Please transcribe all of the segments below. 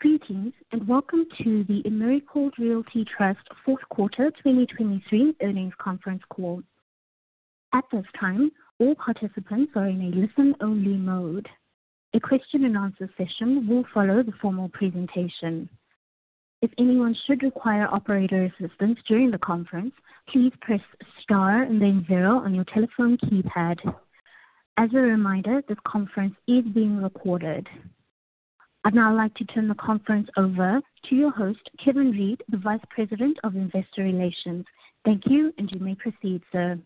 Greetings and welcome to the Americold Realty Trust fourth quarter 2023 earnings conference call. At this time, all participants are in a listen-only mode. A question-and-answer session will follow the formal presentation. If anyone should require operator assistance during the conference, please press * and then zero on your telephone keypad. As a reminder, this conference is being recorded. I'd now like to turn the conference over to your host, Kevin Reed, the Vice President of Investor Relations. Thank you, and you may proceed, sir.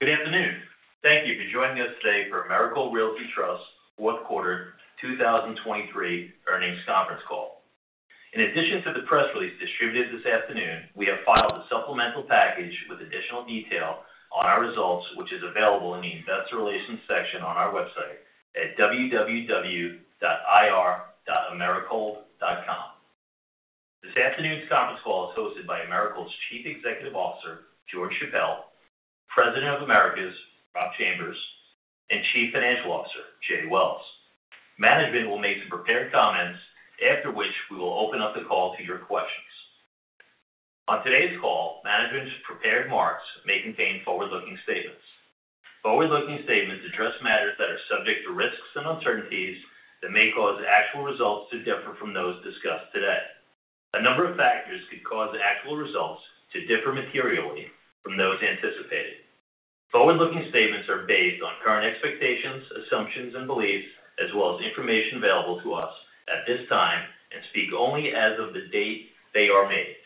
Good afternoon. Thank you for joining us today for Americold Realty Trust fourth quarter 2023 earnings conference call. In addition to the press release distributed this afternoon, we have filed a supplemental package with additional detail on our results, which is available in the investor relations section on our website at www.ir.americold.com. This afternoon's conference call is hosted by Americold's Chief Executive Officer, George Chappelle, President of Americas, Rob Chambers, and Chief Financial Officer, Jay Wells. Management will make some prepared remarks, after which we will open up the call to your questions. On today's call, management's prepared remarks may contain forward-looking statements. Forward-looking statements address matters that are subject to risks and uncertainties that may cause actual results to differ from those discussed today. A number of factors could cause actual results to differ materially from those anticipated. Forward-looking statements are based on current expectations, assumptions, and beliefs, as well as information available to us at this time and speak only as of the date they are made.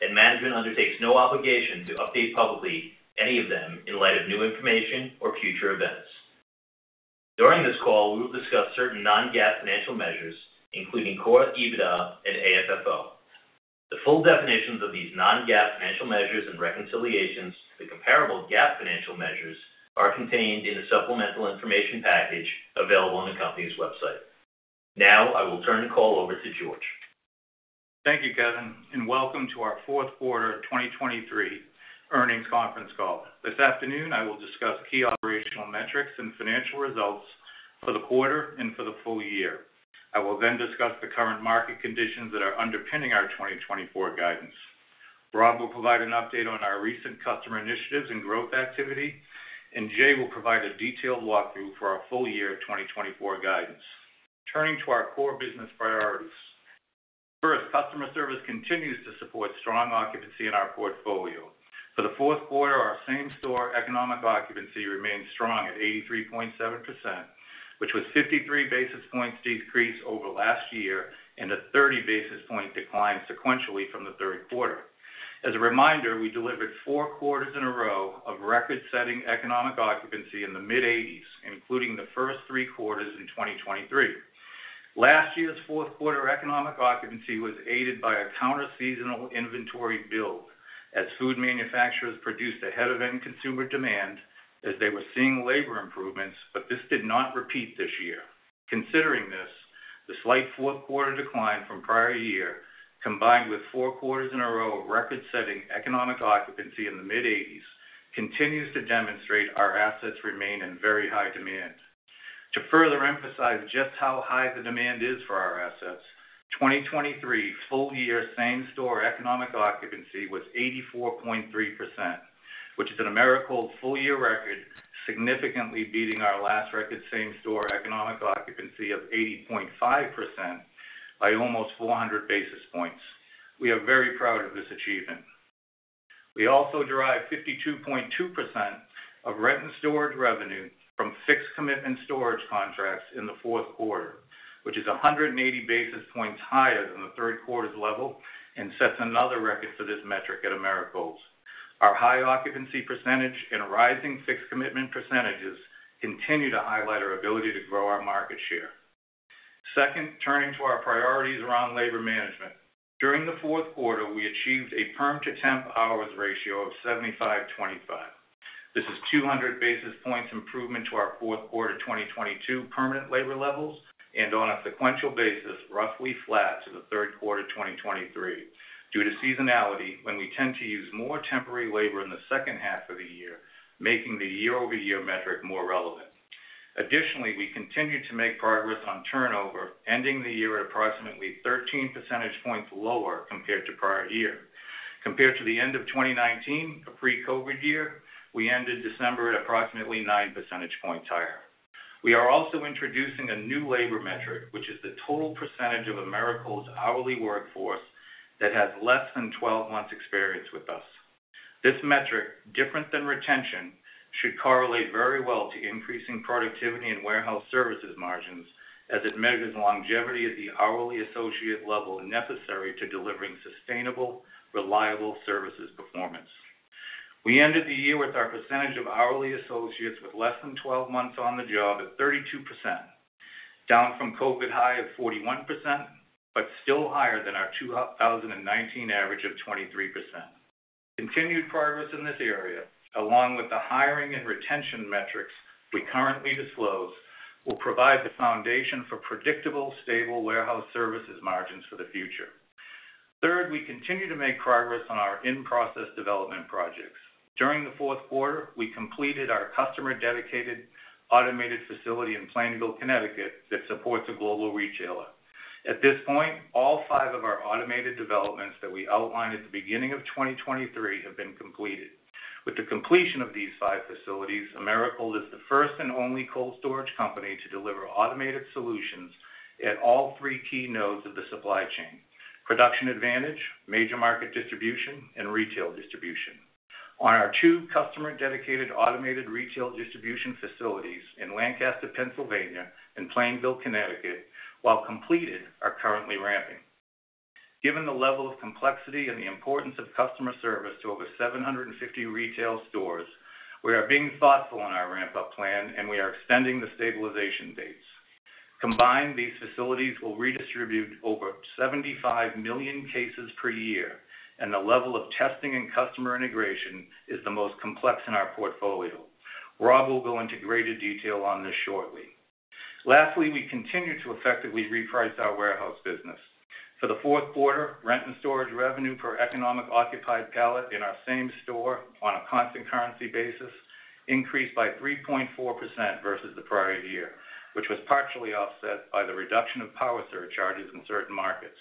Management undertakes no obligation to update publicly any of them in light of new information or future events. During this call, we will discuss certain non-GAAP financial measures, including Core EBITDA and AFFO. The full definitions of these non-GAAP financial measures and reconciliations to the comparable GAAP financial measures are contained in the supplemental information package available on the company's website. Now I will turn the call over to George. Thank you, Kevin, and welcome to our fourth quarter 2023 earnings conference call. This afternoon, I will discuss key operational metrics and financial results for the quarter and for the full year. I will then discuss the current market conditions that are underpinning our 2024 guidance. Rob will provide an update on our recent customer initiatives and growth activity, and Jay will provide a detailed walkthrough for our full year 2024 guidance. Turning to our core business priorities. First, customer service continues to support strong occupancy in our portfolio. For the fourth quarter, our same-store economic occupancy remains strong at 83.7%, which was 53 basis points' decrease over last year and a 30 basis point decline sequentially from the third quarter. As a reminder, we delivered four quarters in a row of record-setting economic occupancy in the mid-'80s, including the first three quarters in 2023. Last year's fourth quarter economic occupancy was aided by a counter-seasonal inventory build as food manufacturers produced ahead of end-consumer demand as they were seeing labor improvements, but this did not repeat this year. Considering this, the slight fourth quarter decline from prior year, combined with four quarters in a row of record-setting economic occupancy in the mid-'80s, continues to demonstrate our assets remain in very high demand. To further emphasize just how high the demand is for our assets, 2023 full-year same-store economic occupancy was 84.3%, which is an Americold full-year record significantly beating our last record same-store economic occupancy of 80.5% by almost 400 basis points. We are very proud of this achievement. We also derive 52.2% of rent and storage revenue from fixed commitment storage contracts in the fourth quarter, which is 180 basis points higher than the third quarter's level and sets another record for this metric at Americold. Our high occupancy percentage and rising fixed commitment percentages continue to highlight our ability to grow our market share. Second, turning to our priorities around labor management. During the fourth quarter, we achieved a perm-to-temp hours ratio of 75/25. This is 200 basis points' improvement to our fourth quarter 2022 permanent labor levels and, on a sequential basis, roughly flat to the third quarter 2023 due to seasonality, when we tend to use more temporary labor in the second half of the year, making the year-over-year metric more relevant. Additionally, we continue to make progress on turnover, ending the year at approximately 13 percentage points lower compared to prior year. Compared to the end of 2019, a pre-COVID year, we ended December at approximately 9 percentage points higher. We are also introducing a new labor metric, which is the total percentage of Americold's hourly workforce that has less than 12 months' experience with us. This metric, different than retention, should correlate very well to increasing productivity and warehouse services margins as it measures longevity at the hourly associate level necessary to delivering sustainable, reliable services performance. We ended the year with our percentage of hourly associates with less than 12 months on the job at 32%, down from COVID high of 41% but still higher than our 2019 average of 23%. Continued progress in this area, along with the hiring and retention metrics we currently disclose, will provide the foundation for predictable, stable warehouse services margins for the future. Third, we continue to make progress on our in-process development projects. During the fourth quarter, we completed our customer-dedicated automated facility in Plainville, Connecticut that supports a global retailer. At this point, all 5 of our automated developments that we outlined at the beginning of 2023 have been completed. With the completion of these 5 facilities, Americold is the first and only cold storage company to deliver automated solutions at all 3 key nodes of the supply chain: production advantage, major market distribution, and retail distribution. On our two customer-dedicated automated retail distribution facilities in Lancaster, Pennsylvania and Plainville, Connecticut, while completed, are currently ramping. Given the level of complexity and the importance of customer service to over 750 retail stores, we are being thoughtful in our ramp-up plan, and we are extending the stabilization dates. Combined, these facilities will redistribute over 75 million cases per year, and the level of testing and customer integration is the most complex in our portfolio. Rob will go into greater detail on this shortly. Lastly, we continue to effectively reprice our warehouse business. For the fourth quarter, rent and storage revenue per economic occupied pallet in our same store on a constant currency basis increased by 3.4% versus the prior year, which was partially offset by the reduction of power surcharges in certain markets.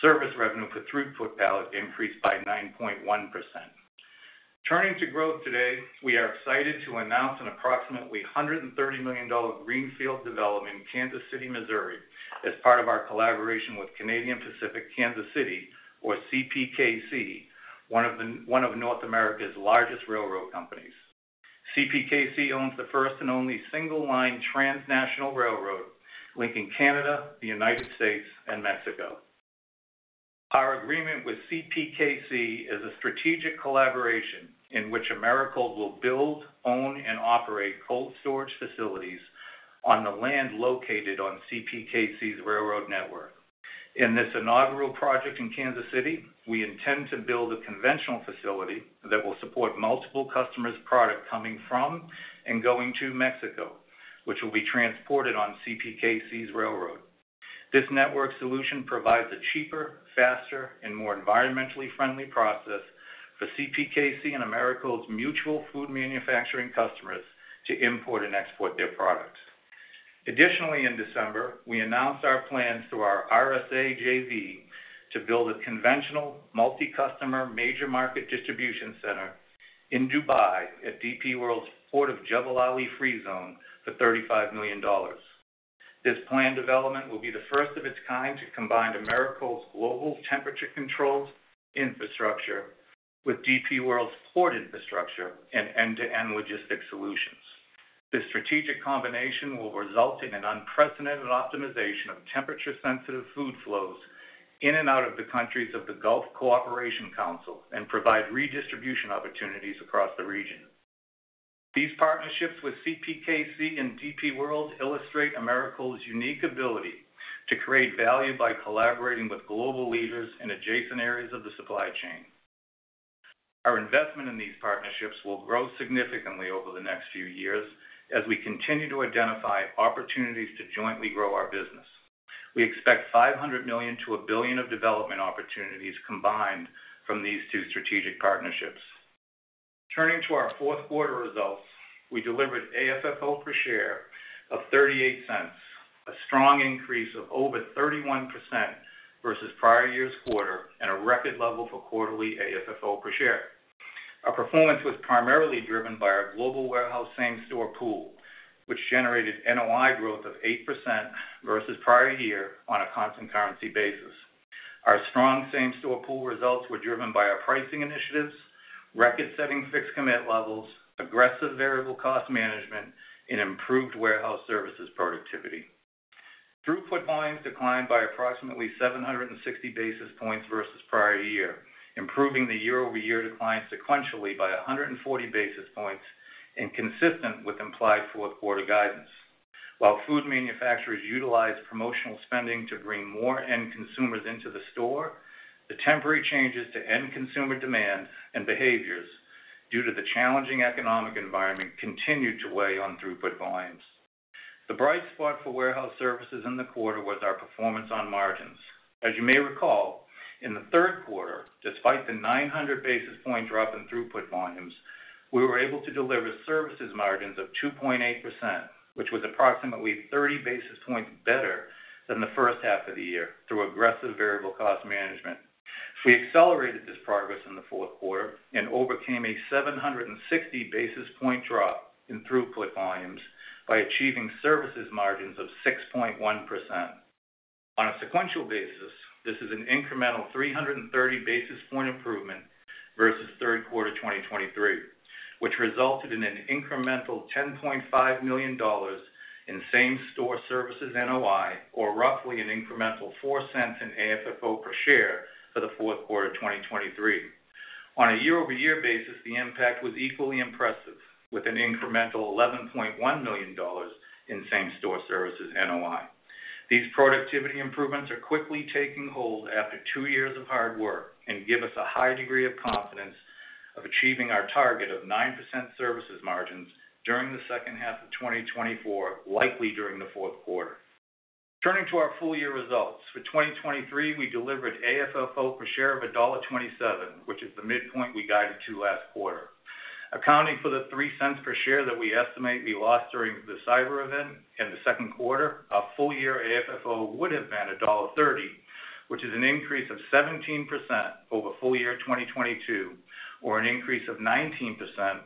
Service revenue per throughput pallet increased by 9.1%. Turning to growth today, we are excited to announce an approximately $130 million greenfield development in Kansas City, Missouri, as part of our collaboration with Canadian Pacific Kansas City, or CPKC, one of North America's largest railroad companies. CPKC owns the first and only single-line transnational railroad linking Canada, the United States, and Mexico. Our agreement with CPKC is a strategic collaboration in which Americold will build, own, and operate cold storage facilities on the land located on CPKC's railroad network. In this inaugural project in Kansas City, we intend to build a conventional facility that will support multiple customers' product coming from and going to Mexico, which will be transported on CPKC's railroad. This network solution provides a cheaper, faster, and more environmentally friendly process for CPKC and Americold's mutual food manufacturing customers to import and export their products. Additionally, in December, we announced our plans through our RSA JV to build a conventional multi-customer major market distribution center in Dubai at DP World's Port of Jebel Ali Free Zone for $35 million. This planned development will be the first of its kind to combine Americold's global temperature-controlled infrastructure with DP World's port infrastructure and end-to-end logistics solutions. This strategic combination will result in an unprecedented optimization of temperature-sensitive food flows in and out of the countries of the Gulf Cooperation Council and provide redistribution opportunities across the region. These partnerships with CPKC and DP World illustrate Americold's unique ability to create value by collaborating with global leaders in adjacent areas of the supply chain. Our investment in these partnerships will grow significantly over the next few years as we continue to identify opportunities to jointly grow our business. We expect $500 million-$1 billion of development opportunities combined from these two strategic partnerships. Turning to our fourth quarter results, we delivered AFFO per share of $0.38, a strong increase of over 31% versus prior year's quarter, and a record level for quarterly AFFO per share. Our performance was primarily driven by our global warehouse same-store pool, which generated NOI growth of 8% versus prior year on a constant currency basis. Our strong same-store pool results were driven by our pricing initiatives, record-setting fixed commit levels, aggressive variable cost management, and improved warehouse services productivity. Throughput volumes declined by approximately 760 basis points versus prior year, improving the year-over-year decline sequentially by 140 basis points and consistent with implied fourth quarter guidance. While food manufacturers utilize promotional spending to bring more end consumers into the store, the temporary changes to end-consumer demand and behaviors due to the challenging economic environment continue to weigh on throughput volumes. The bright spot for warehouse services in the quarter was our performance on margins. As you may recall, in the third quarter, despite the 900 basis point drop in throughput volumes, we were able to deliver services margins of 2.8%, which was approximately 30 basis points better than the first half of the year through aggressive variable cost management. We accelerated this progress in the fourth quarter and overcame a 760 basis point drop in throughput volumes by achieving services margins of 6.1%. On a sequential basis, this is an incremental 330 basis point improvement versus third quarter 2023, which resulted in an incremental $10.5 million in same-store services NOI, or roughly an incremental 4 cents in AFFO per share for the fourth quarter 2023. On a year-over-year basis, the impact was equally impressive, with an incremental $11.1 million in same-store services NOI. These productivity improvements are quickly taking hold after two years of hard work and give us a high degree of confidence of achieving our target of 9% services margins during the second half of 2024, likely during the fourth quarter. Turning to our full-year results. For 2023, we delivered AFFO per share of $1.27, which is the midpoint we guided to last quarter. Accounting for the $0.03 per share that we estimate we lost during the cyber event in the second quarter, our full-year AFFO would have been $1.30, which is an increase of 17% over full-year 2022 or an increase of 19%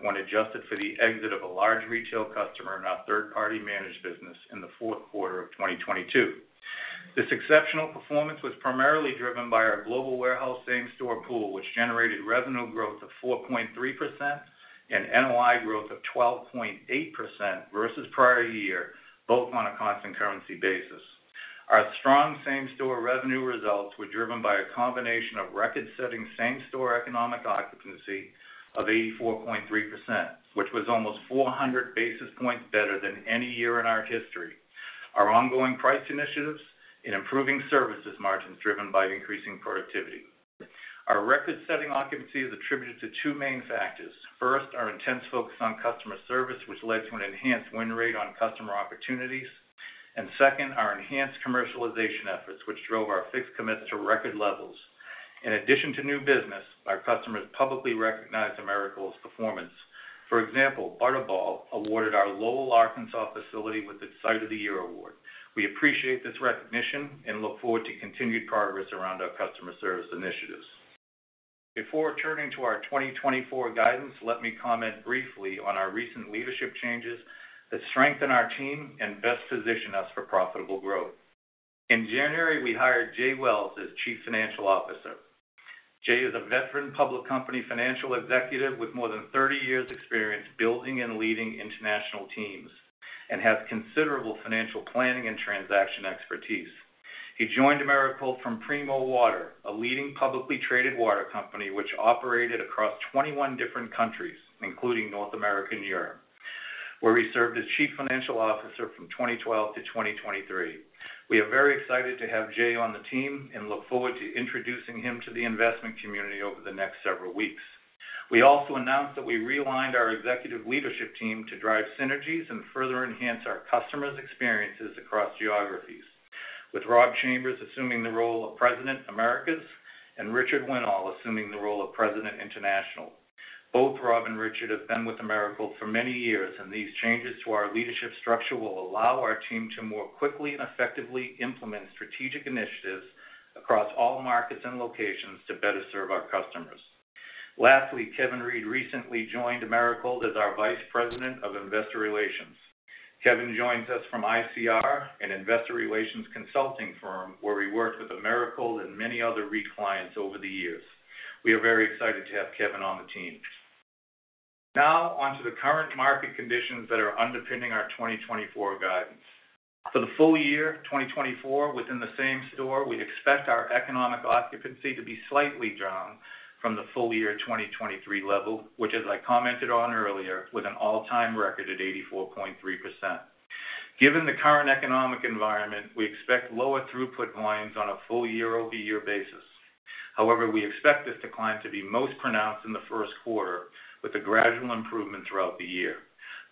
when adjusted for the exit of a large retail customer in our third-party managed business in the fourth quarter of 2022. This exceptional performance was primarily driven by our global warehouse same-store pool, which generated revenue growth of 4.3% and NOI growth of 12.8% versus prior year, both on a constant currency basis. Our strong same-store revenue results were driven by a combination of record-setting same-store economic occupancy of 84.3%, which was almost 400 basis points better than any year in our history, our ongoing price initiatives, and improving services margins driven by increasing productivity. Our record-setting occupancy is attributed to two main factors. First, our intense focus on customer service, which led to an enhanced win rate on customer opportunities. And second, our enhanced commercialization efforts, which drove our fixed commits to record levels. In addition to new business, our customers publicly recognized Americold's performance. For example, Butterball awarded our Lowell, Arkansas facility with its Site of the Year Award. We appreciate this recognition and look forward to continued progress around our customer service initiatives. Before turning to our 2024 guidance, let me comment briefly on our recent leadership changes that strengthen our team and best position us for profitable growth. In January, we hired Jay Wells as Chief Financial Officer. Jay is a veteran public company financial executive with more than 30 years' experience building and leading international teams and has considerable financial planning and transaction expertise. He joined Americold from Primo Water, a leading publicly traded water company which operated across 21 different countries, including North America and Europe, where he served as Chief Financial Officer from 2012 to 2023. We are very excited to have Jay on the team and look forward to introducing him to the investment community over the next several weeks. We also announced that we realigned our executive leadership team to drive synergies and further enhance our customers' experiences across geographies, with Rob Chambers assuming the role of President, Americas and Richard Winnall assuming the role of President, International. Both Rob and Richard have been with Americold for many years, and these changes to our leadership structure will allow our team to more quickly and effectively implement strategic initiatives across all markets and locations to better serve our customers. Lastly, Kevin Reed recently joined Americold as our Vice President of Investor Relations. Kevin joins us from ICR, an investor relations consulting firm where we worked with Americold and many other REIT clients over the years. We are very excited to have Kevin on the team. Now, onto the current market conditions that are underpinning our 2024 guidance. For the full year 2024 within the same store, we expect our economic occupancy to be slightly down from the full year 2023 level, which, as I commented on earlier, with an all-time record at 84.3%. Given the current economic environment, we expect lower throughput volumes on a full year-over-year basis. However, we expect this decline to be most pronounced in the first quarter, with a gradual improvement throughout the year.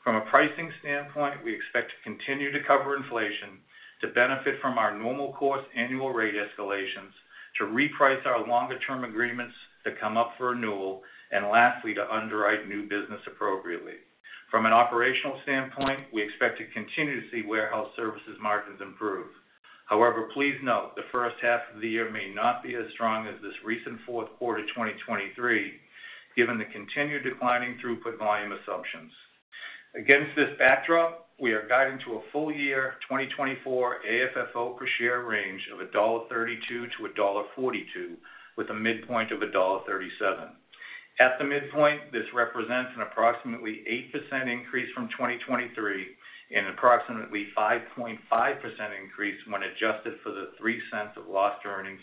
From a pricing standpoint, we expect to continue to cover inflation, to benefit from our normal course annual rate escalations, to reprice our longer-term agreements that come up for renewal, and lastly, to underwrite new business appropriately. From an operational standpoint, we expect to continue to see warehouse services margins improve. However, please note, the first half of the year may not be as strong as this recent fourth quarter 2023, given the continued declining throughput volume assumptions. Against this backdrop, we are guided to a full year 2024 AFFO per share range of $1.32-$1.42, with a midpoint of $1.37. At the midpoint, this represents an approximately 8% increase from 2023 and an approximately 5.5% increase when adjusted for the $0.03 of lost earnings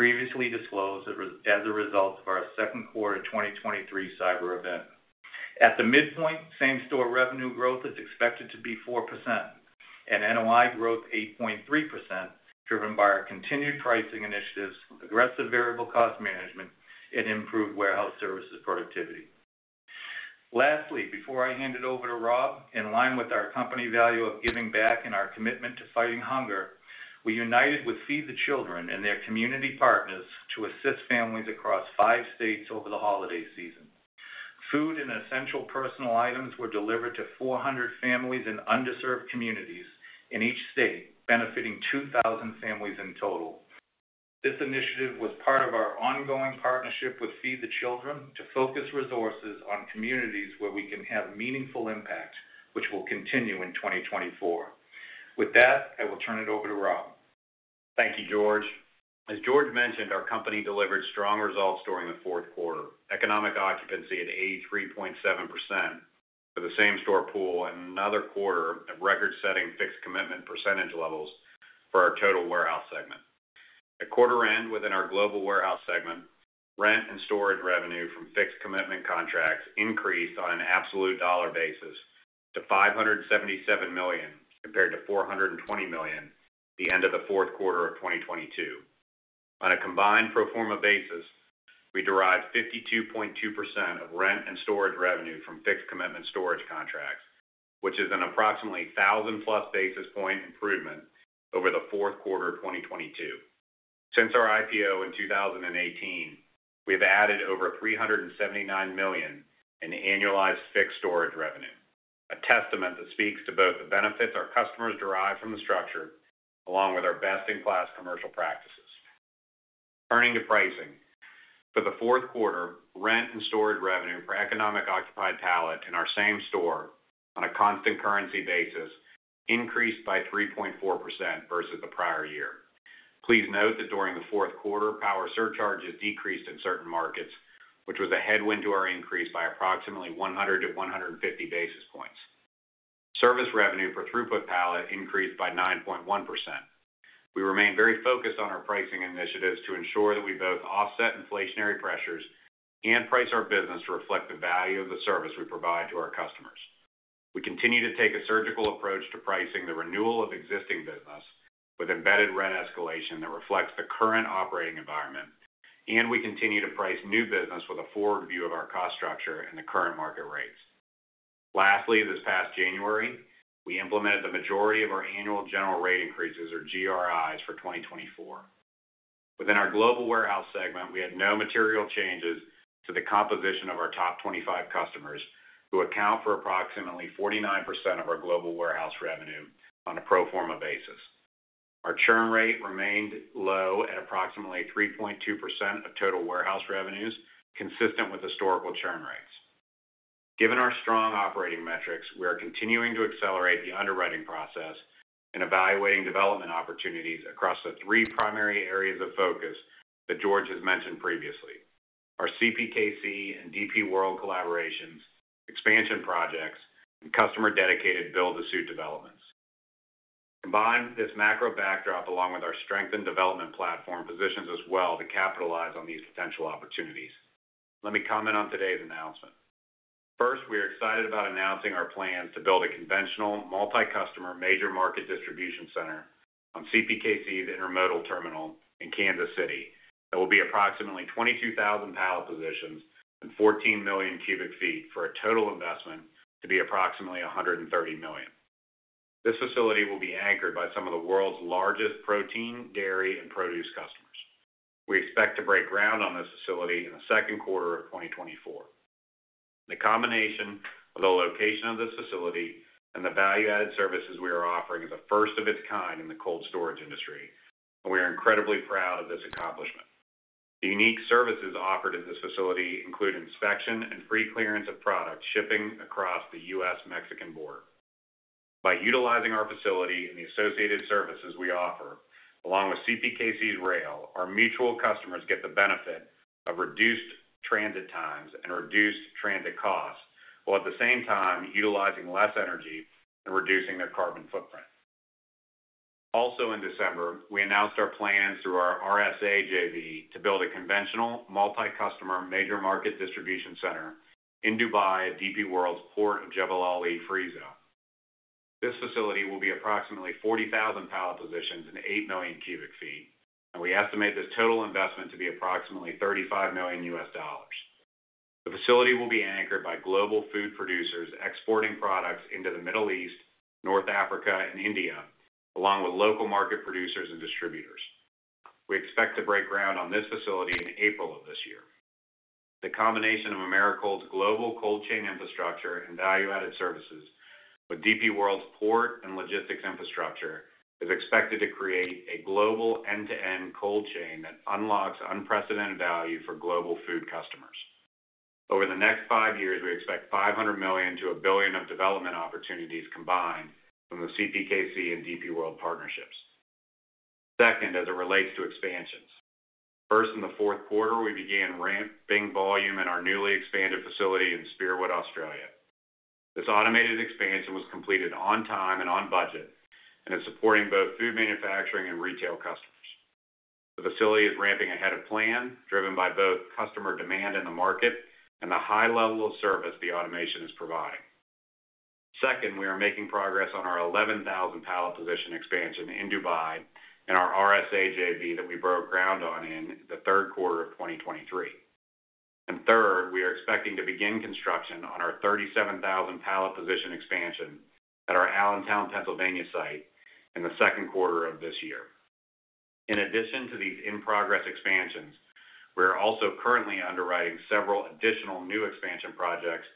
previously disclosed as a result of our second quarter 2023 cyber event. At the midpoint, same-store revenue growth is expected to be 4% and NOI growth 8.3%, driven by our continued pricing initiatives, aggressive variable cost management, and improved warehouse services productivity. Lastly, before I hand it over to Rob, in line with our company value of giving back and our commitment to fighting hunger, we united with Feed the Children and their community partners to assist families across five states over the holiday season. Food and essential personal items were delivered to 400 families in underserved communities in each state, benefiting 2,000 families in total. This initiative was part of our ongoing partnership with Feed the Children to focus resources on communities where we can have meaningful impact, which will continue in 2024. With that, I will turn it over to Rob. Thank you, George. As George mentioned, our company delivered strong results during the fourth quarter, economic occupancy at 83.7% for the same-store pool and another quarter of record-setting fixed commitment percentage levels for our total warehouse segment. At quarter-end, within our global warehouse segment, rent and storage revenue from fixed commitment contracts increased on an absolute dollar basis to $577 million compared to $420 million the end of the fourth quarter of 2022. On a combined pro forma basis, we derived 52.2% of rent and storage revenue from fixed commitment storage contracts, which is an approximately 1,000+ basis point improvement over the fourth quarter 2022. Since our IPO in 2018, we have added over $379 million in annualized fixed storage revenue, a testament that speaks to both the benefits our customers derive from the structure along with our best-in-class commercial practices. Turning to pricing. For the fourth quarter, rent and storage revenue per economic occupied pallet in our same store on a constant currency basis increased by 3.4% versus the prior year. Please note that during the fourth quarter, power surcharges decreased in certain markets, which was a headwind to our increase by approximately 100-150 basis points. Service revenue per throughput pallet increased by 9.1%. We remain very focused on our pricing initiatives to ensure that we both offset inflationary pressures and price our business to reflect the value of the service we provide to our customers. We continue to take a surgical approach to pricing the renewal of existing business with embedded rent escalation that reflects the current operating environment, and we continue to price new business with a forward view of our cost structure and the current market rates. Lastly, this past January, we implemented the majority of our annual general rate increases, or GRIs, for 2024. Within our global warehouse segment, we had no material changes to the composition of our top 25 customers, who account for approximately 49% of our global warehouse revenue on a pro forma basis. Our churn rate remained low at approximately 3.2% of total warehouse revenues, consistent with historical churn rates. Given our strong operating metrics, we are continuing to accelerate the underwriting process and evaluating development opportunities across the three primary areas of focus that George has mentioned previously: our CPKC and DP World collaborations, expansion projects, and customer-dedicated build-to-suit developments. Combined this macro backdrop along with our strengthened development platform positions us well to capitalize on these potential opportunities. Let me comment on today's announcement. First, we are excited about announcing our plans to build a conventional, multi-customer, major market distribution center on CPKC's Intermodal Terminal in Kansas City that will be approximately 22,000 pallet positions and 14 million cubic feet for a total investment to be approximately $130 million. This facility will be anchored by some of the world's largest protein, dairy, and produce customers. We expect to break ground on this facility in the second quarter of 2024. The combination of the location of this facility and the value-added services we are offering is a first of its kind in the cold storage industry, and we are incredibly proud of this accomplishment. The unique services offered at this facility include inspection and free clearance of product shipping across the U.S.-Mexican border. By utilizing our facility and the associated services we offer, along with CPKC's rail, our mutual customers get the benefit of reduced transit times and reduced transit costs while at the same time utilizing less energy and reducing their carbon footprint. Also in December, we announced our plans through our RSA JV to build a conventional, multi-customer, major market distribution center in Dubai at DP World's Port of Jebel Ali Free Zone. This facility will be approximately 40,000 pallet positions and 8 million cubic feet, and we estimate this total investment to be approximately $35 million. The facility will be anchored by global food producers exporting products into the Middle East, North Africa, and India, along with local market producers and distributors. We expect to break ground on this facility in April of this year. The combination of Americold's global cold chain infrastructure and value-added services with DP World's port and logistics infrastructure is expected to create a global end-to-end cold chain that unlocks unprecedented value for global food customers. Over the next five years, we expect $500 million-$1 billion of development opportunities combined from the CPKC and DP World partnerships. Second, as it relates to expansions. First, in the fourth quarter, we began ramping volume in our newly expanded facility in Spearwood, Australia. This automated expansion was completed on time and on budget and is supporting both food manufacturing and retail customers. The facility is ramping ahead of plan, driven by both customer demand in the market and the high level of service the automation is providing. Second, we are making progress on our 11,000 pallet position expansion in Dubai and our RSA JV that we broke ground on in the third quarter of 2023. Third, we are expecting to begin construction on our 37,000 pallet position expansion at our Allentown, Pennsylvania site in the second quarter of this year. In addition to these in-progress expansions, we are also currently underwriting several additional new expansion projects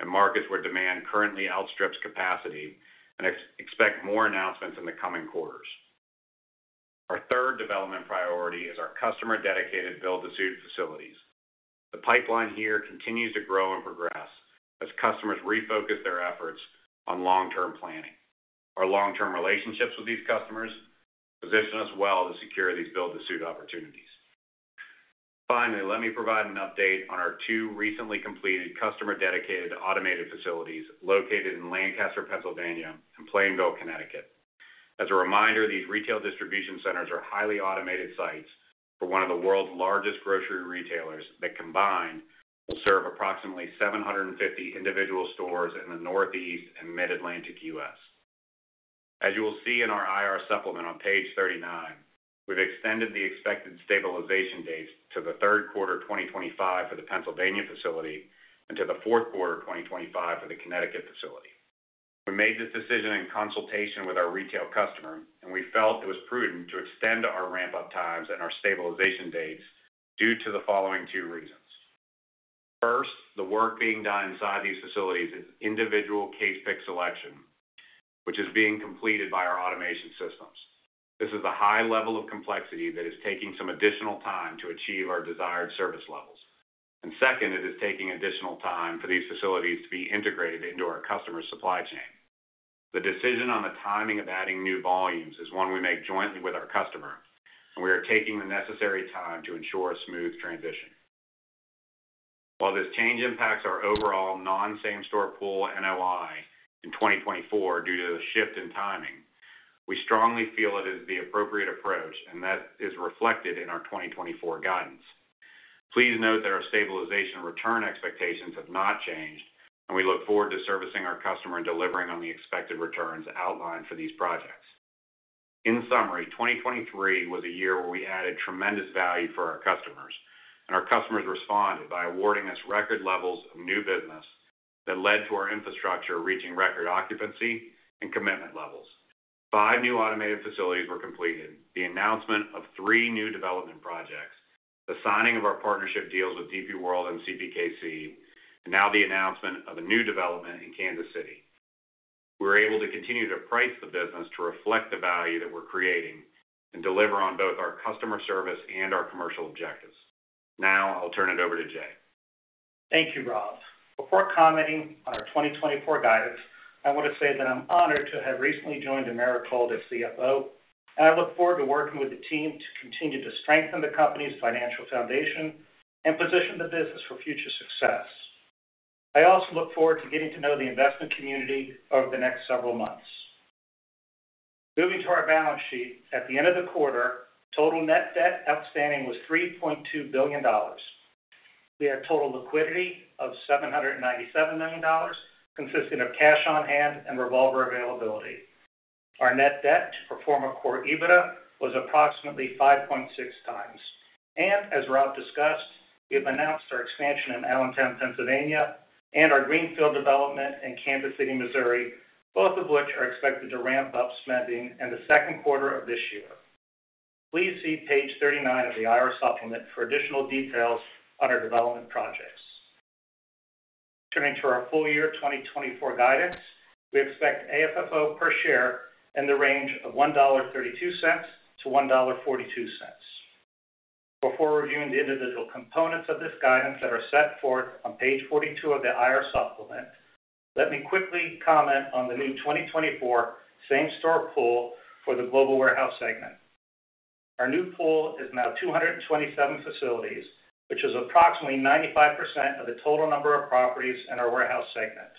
in markets where demand currently outstrips capacity and expect more announcements in the coming quarters. Our third development priority is our customer-dedicated build-to-suit facilities. The pipeline here continues to grow and progress as customers refocus their efforts on long-term planning. Our long-term relationships with these customers position us well to secure these build-to-suit opportunities. Finally, let me provide an update on our two recently completed customer-dedicated automated facilities located in Lancaster, Pennsylvania, and Plainville, Connecticut. As a reminder, these retail distribution centers are highly automated sites for one of the world's largest grocery retailers that combined will serve approximately 750 individual stores in the Northeast and Mid-Atlantic U.S. As you will see in our IR supplement on page 39, we've extended the expected stabilization dates to the third quarter 2025 for the Pennsylvania facility and to the fourth quarter 2025 for the Connecticut facility. We made this decision in consultation with our retail customer, and we felt it was prudent to extend our ramp-up times and our stabilization dates due to the following two reasons. First, the work being done inside these facilities is individual case pick selection, which is being completed by our automation systems. This is the high level of complexity that is taking some additional time to achieve our desired service levels. Second, it is taking additional time for these facilities to be integrated into our customer supply chain. The decision on the timing of adding new volumes is one we make jointly with our customer, and we are taking the necessary time to ensure a smooth transition. While this change impacts our overall non-same-store pool NOI in 2024 due to the shift in timing, we strongly feel it is the appropriate approach, and that is reflected in our 2024 guidance. Please note that our stabilization return expectations have not changed, and we look forward to servicing our customer and delivering on the expected returns outlined for these projects. In summary, 2023 was a year where we added tremendous value for our customers, and our customers responded by awarding us record levels of new business that led to our infrastructure reaching record occupancy and commitment levels. Five new automated facilities were completed: the announcement of three new development projects, the signing of our partnership deals with DP World and CPKC, and now the announcement of a new development in Kansas City. We were able to continue to price the business to reflect the value that we're creating and deliver on both our customer service and our commercial objectives. Now I'll turn it over to Jay. Thank you, Rob. Before commenting on our 2024 guidance, I want to say that I'm honored to have recently joined Americold as CFO, and I look forward to working with the team to continue to strengthen the company's financial foundation and position the business for future success. I also look forward to getting to know the investment community over the next several months. Moving to our balance sheet, at the end of the quarter, total net debt outstanding was $3.2 billion. We had total liquidity of $797 million, consisting of cash on hand and revolver availability. Our net debt to pro forma core EBITDA was approximately 5.6 times. As Rob discussed, we have announced our expansion in Allentown, Pennsylvania, and our greenfield development in Kansas City, Missouri, both of which are expected to ramp up spending in the second quarter of this year. Please see page 39 of the IR supplement for additional details on our development projects. Turning to our full-year 2024 guidance, we expect AFFO per share in the range of $1.32-$1.42. Before reviewing the individual components of this guidance that are set forth on page 42 of the IR supplement, let me quickly comment on the new 2024 same-store pool for the global warehouse segment. Our new pool is now 227 facilities, which is approximately 95% of the total number of properties in our warehouse segment.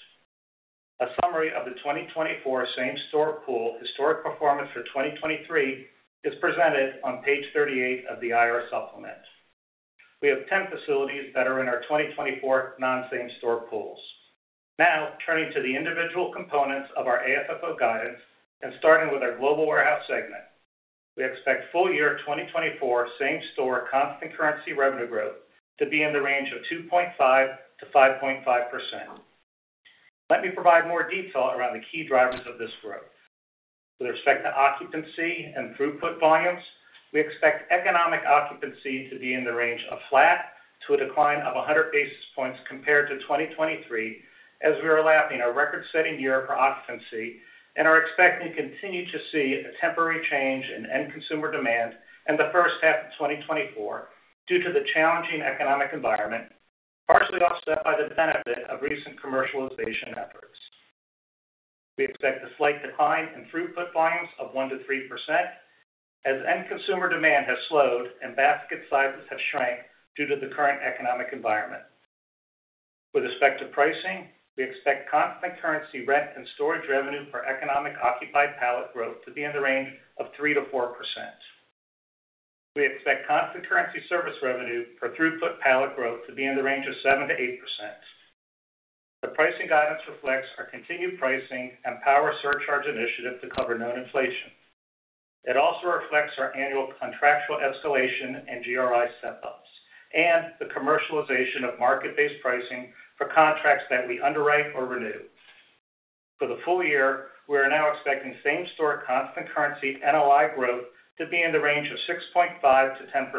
A summary of the 2024 same-store pool historic performance for 2023 is presented on page 38 of the IR supplement. We have 10 facilities that are in our 2024 non-same-store pools. Now turning to the individual components of our AFFO guidance and starting with our global warehouse segment, we expect full-year 2024 same-store constant currency revenue growth to be in the range of 2.5%-5.5%. Let me provide more detail around the key drivers of this growth. With respect to occupancy and throughput volumes, we expect economic occupancy to be in the range of flat to a decline of 100 basis points compared to 2023, as we are lapping our record-setting year for occupancy and are expecting to continue to see a temporary change in end-consumer demand in the first half of 2024 due to the challenging economic environment, partially offset by the benefit of recent commercialization efforts. We expect a slight decline in throughput volumes of 1%-3% as end-consumer demand has slowed and basket sizes have shrank due to the current economic environment. With respect to pricing, we expect constant currency rent and storage revenue per economic occupied pallet growth to be in the range of 3%-4%. We expect constant currency service revenue per throughput pallet growth to be in the range of 7%-8%. The pricing guidance reflects our continued pricing and power surcharge initiative to cover known inflation. It also reflects our annual contractual escalation and GRI step-ups and the commercialization of market-based pricing for contracts that we underwrite or renew. For the full year, we are now expecting same-store constant currency NOI growth to be in the range of 6.5%-10%,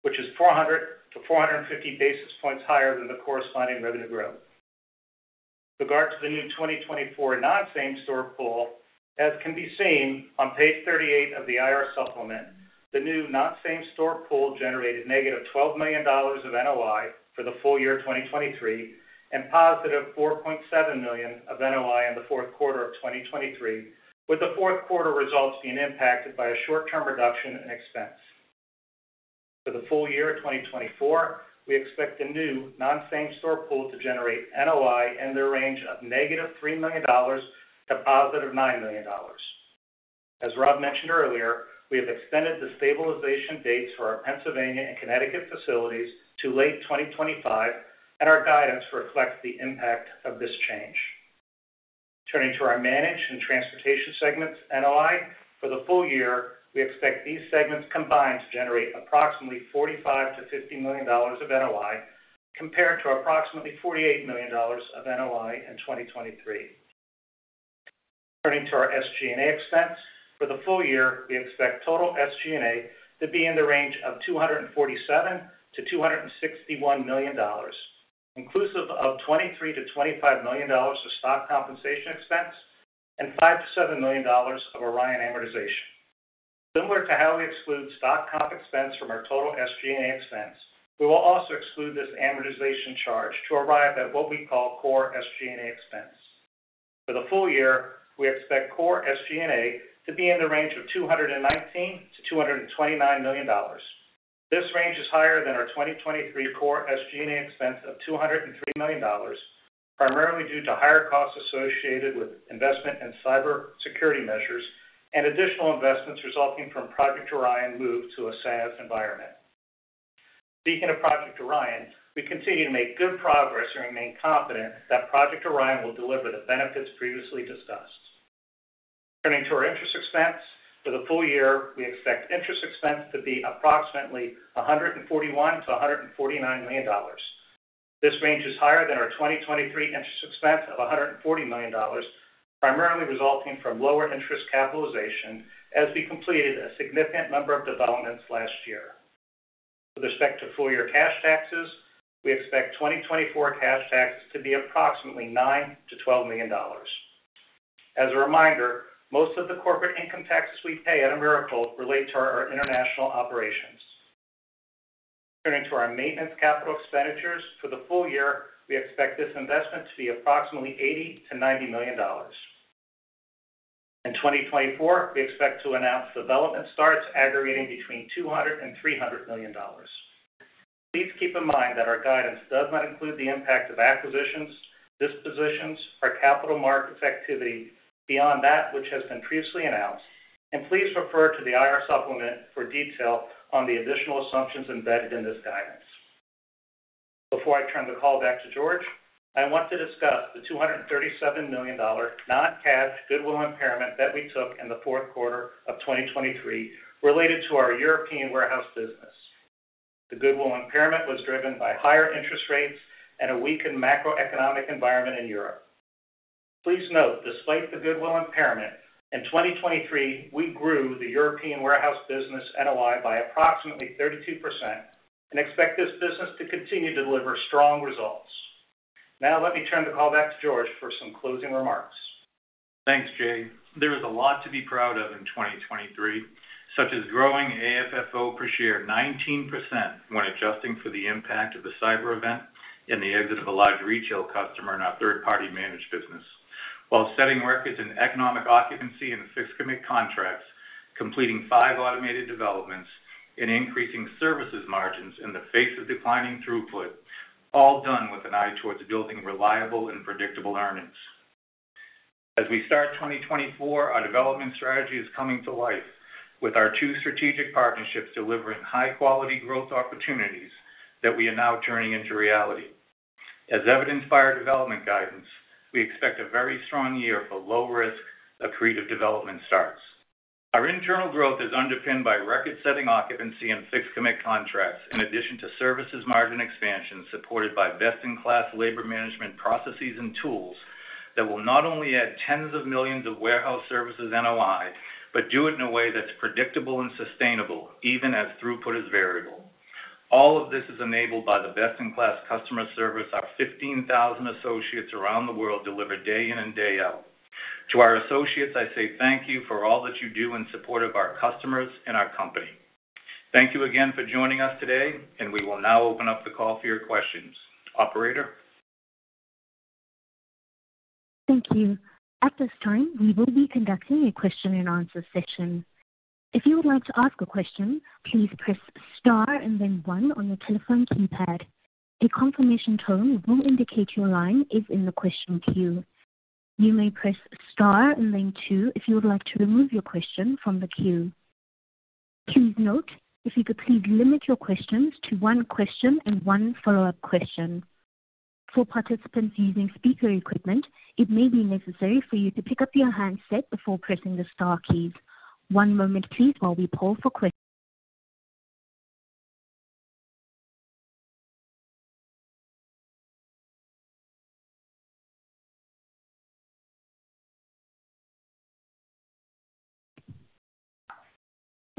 which is 400-450 basis points higher than the corresponding revenue growth. With regard to the new 2024 non-same-store pool, as can be seen on page 38 of the IR supplement, the new non-same-store pool generated -$12 million of NOI for the full year 2023 and +$4.7 million of NOI in the fourth quarter of 2023, with the fourth quarter results being impacted by a short-term reduction in expense. For the full year 2024, we expect the new non-same-store pool to generate NOI in the range of -$3 million to +$9 million. As Rob mentioned earlier, we have extended the stabilization dates for our Pennsylvania and Connecticut facilities to late 2025, and our guidance reflects the impact of this change. Turning to our managed and transportation segments NOI, for the full year, we expect these segments combined to generate approximately $45-$50 million of NOI compared to approximately $48 million of NOI in 2023. Turning to our SG&A expense, for the full year, we expect total SG&A to be in the range of $247 million-$261 million, inclusive of $23 million-$25 million of stock compensation expense and $5 million-$7 million of Orion amortization. Similar to how we exclude stock comp expense from our total SG&A expense, we will also exclude this amortization charge to arrive at what we call core SG&A expense. For the full year, we expect core SG&A to be in the range of $219 million-$229 million. This range is higher than our 2023 core SG&A expense of $203 million, primarily due to higher costs associated with investment in cybersecurity measures and additional investments resulting from Project Orion's move to a SaaS environment. Speaking of Project Orion, we continue to make good progress and remain confident that Project Orion will deliver the benefits previously discussed. Turning to our interest expense, for the full year, we expect interest expense to be approximately $141-$149 million. This range is higher than our 2023 interest expense of $140 million, primarily resulting from lower interest capitalization as we completed a significant number of developments last year. With respect to full-year cash taxes, we expect 2024 cash taxes to be approximately $9-$12 million. As a reminder, most of the corporate income taxes we pay at Americold relate to our international operations. Turning to our maintenance capital expenditures, for the full year, we expect this investment to be approximately $80-$90 million. In 2024, we expect to announce development starts aggregating between $200 and $300 million. Please keep in mind that our guidance does not include the impact of acquisitions, dispositions, or capital market activity beyond that which has been previously announced, and please refer to the IR supplement for detail on the additional assumptions embedded in this guidance. Before I turn the call back to George, I want to discuss the $237 million non-cash goodwill impairment that we took in the fourth quarter of 2023 related to our European warehouse business. The goodwill impairment was driven by higher interest rates and a weakened macroeconomic environment in Europe. Please note, despite the goodwill impairment, in 2023, we grew the European warehouse business NOI by approximately 32% and expect this business to continue to deliver strong results. Now let me turn the call back to George for some closing remarks. Thanks, Jay. There is a lot to be proud of in 2023, such as growing AFFO per share 19% when adjusting for the impact of the cyber event and the exit of a large retail customer in our third-party managed business. While setting records in economic occupancy and fixed commitment contracts, completing five automated developments, and increasing services margins in the face of declining throughput, all done with an eye towards building reliable and predictable earnings. As we start 2024, our development strategy is coming to life, with our two strategic partnerships delivering high-quality growth opportunities that we are now turning into reality. As evidenced by our development guidance, we expect a very strong year for low-risk, accretive development starts. Our internal growth is underpinned by record-setting occupancy and fixed commitment contracts, in addition to services margin expansion supported by best-in-class labor management processes and tools that will not only add $10s of millions of warehouse services NOI but do it in a way that's predictable and sustainable, even as throughput is variable. All of this is enabled by the best-in-class customer service our 15,000 associates around the world deliver day in and day out. To our associates, I say thank you for all that you do in support of our customers and our company. Thank you again for joining us today, and we will now open up the call for your questions. Operator. Thank you. At this time, we will be conducting a question-and-answer session. If you would like to ask a question, please press * and then one on the telephone keypad. A confirmation tone will indicate your line is in the question queue. You may press * and then two if you would like to remove your question from the queue. Please note, if you could please limit your questions to one question and one follow-up question. For participants using speaker equipment, it may be necessary for you to pick up your handset before pressing the * keys. One moment, please, while we pull for questions.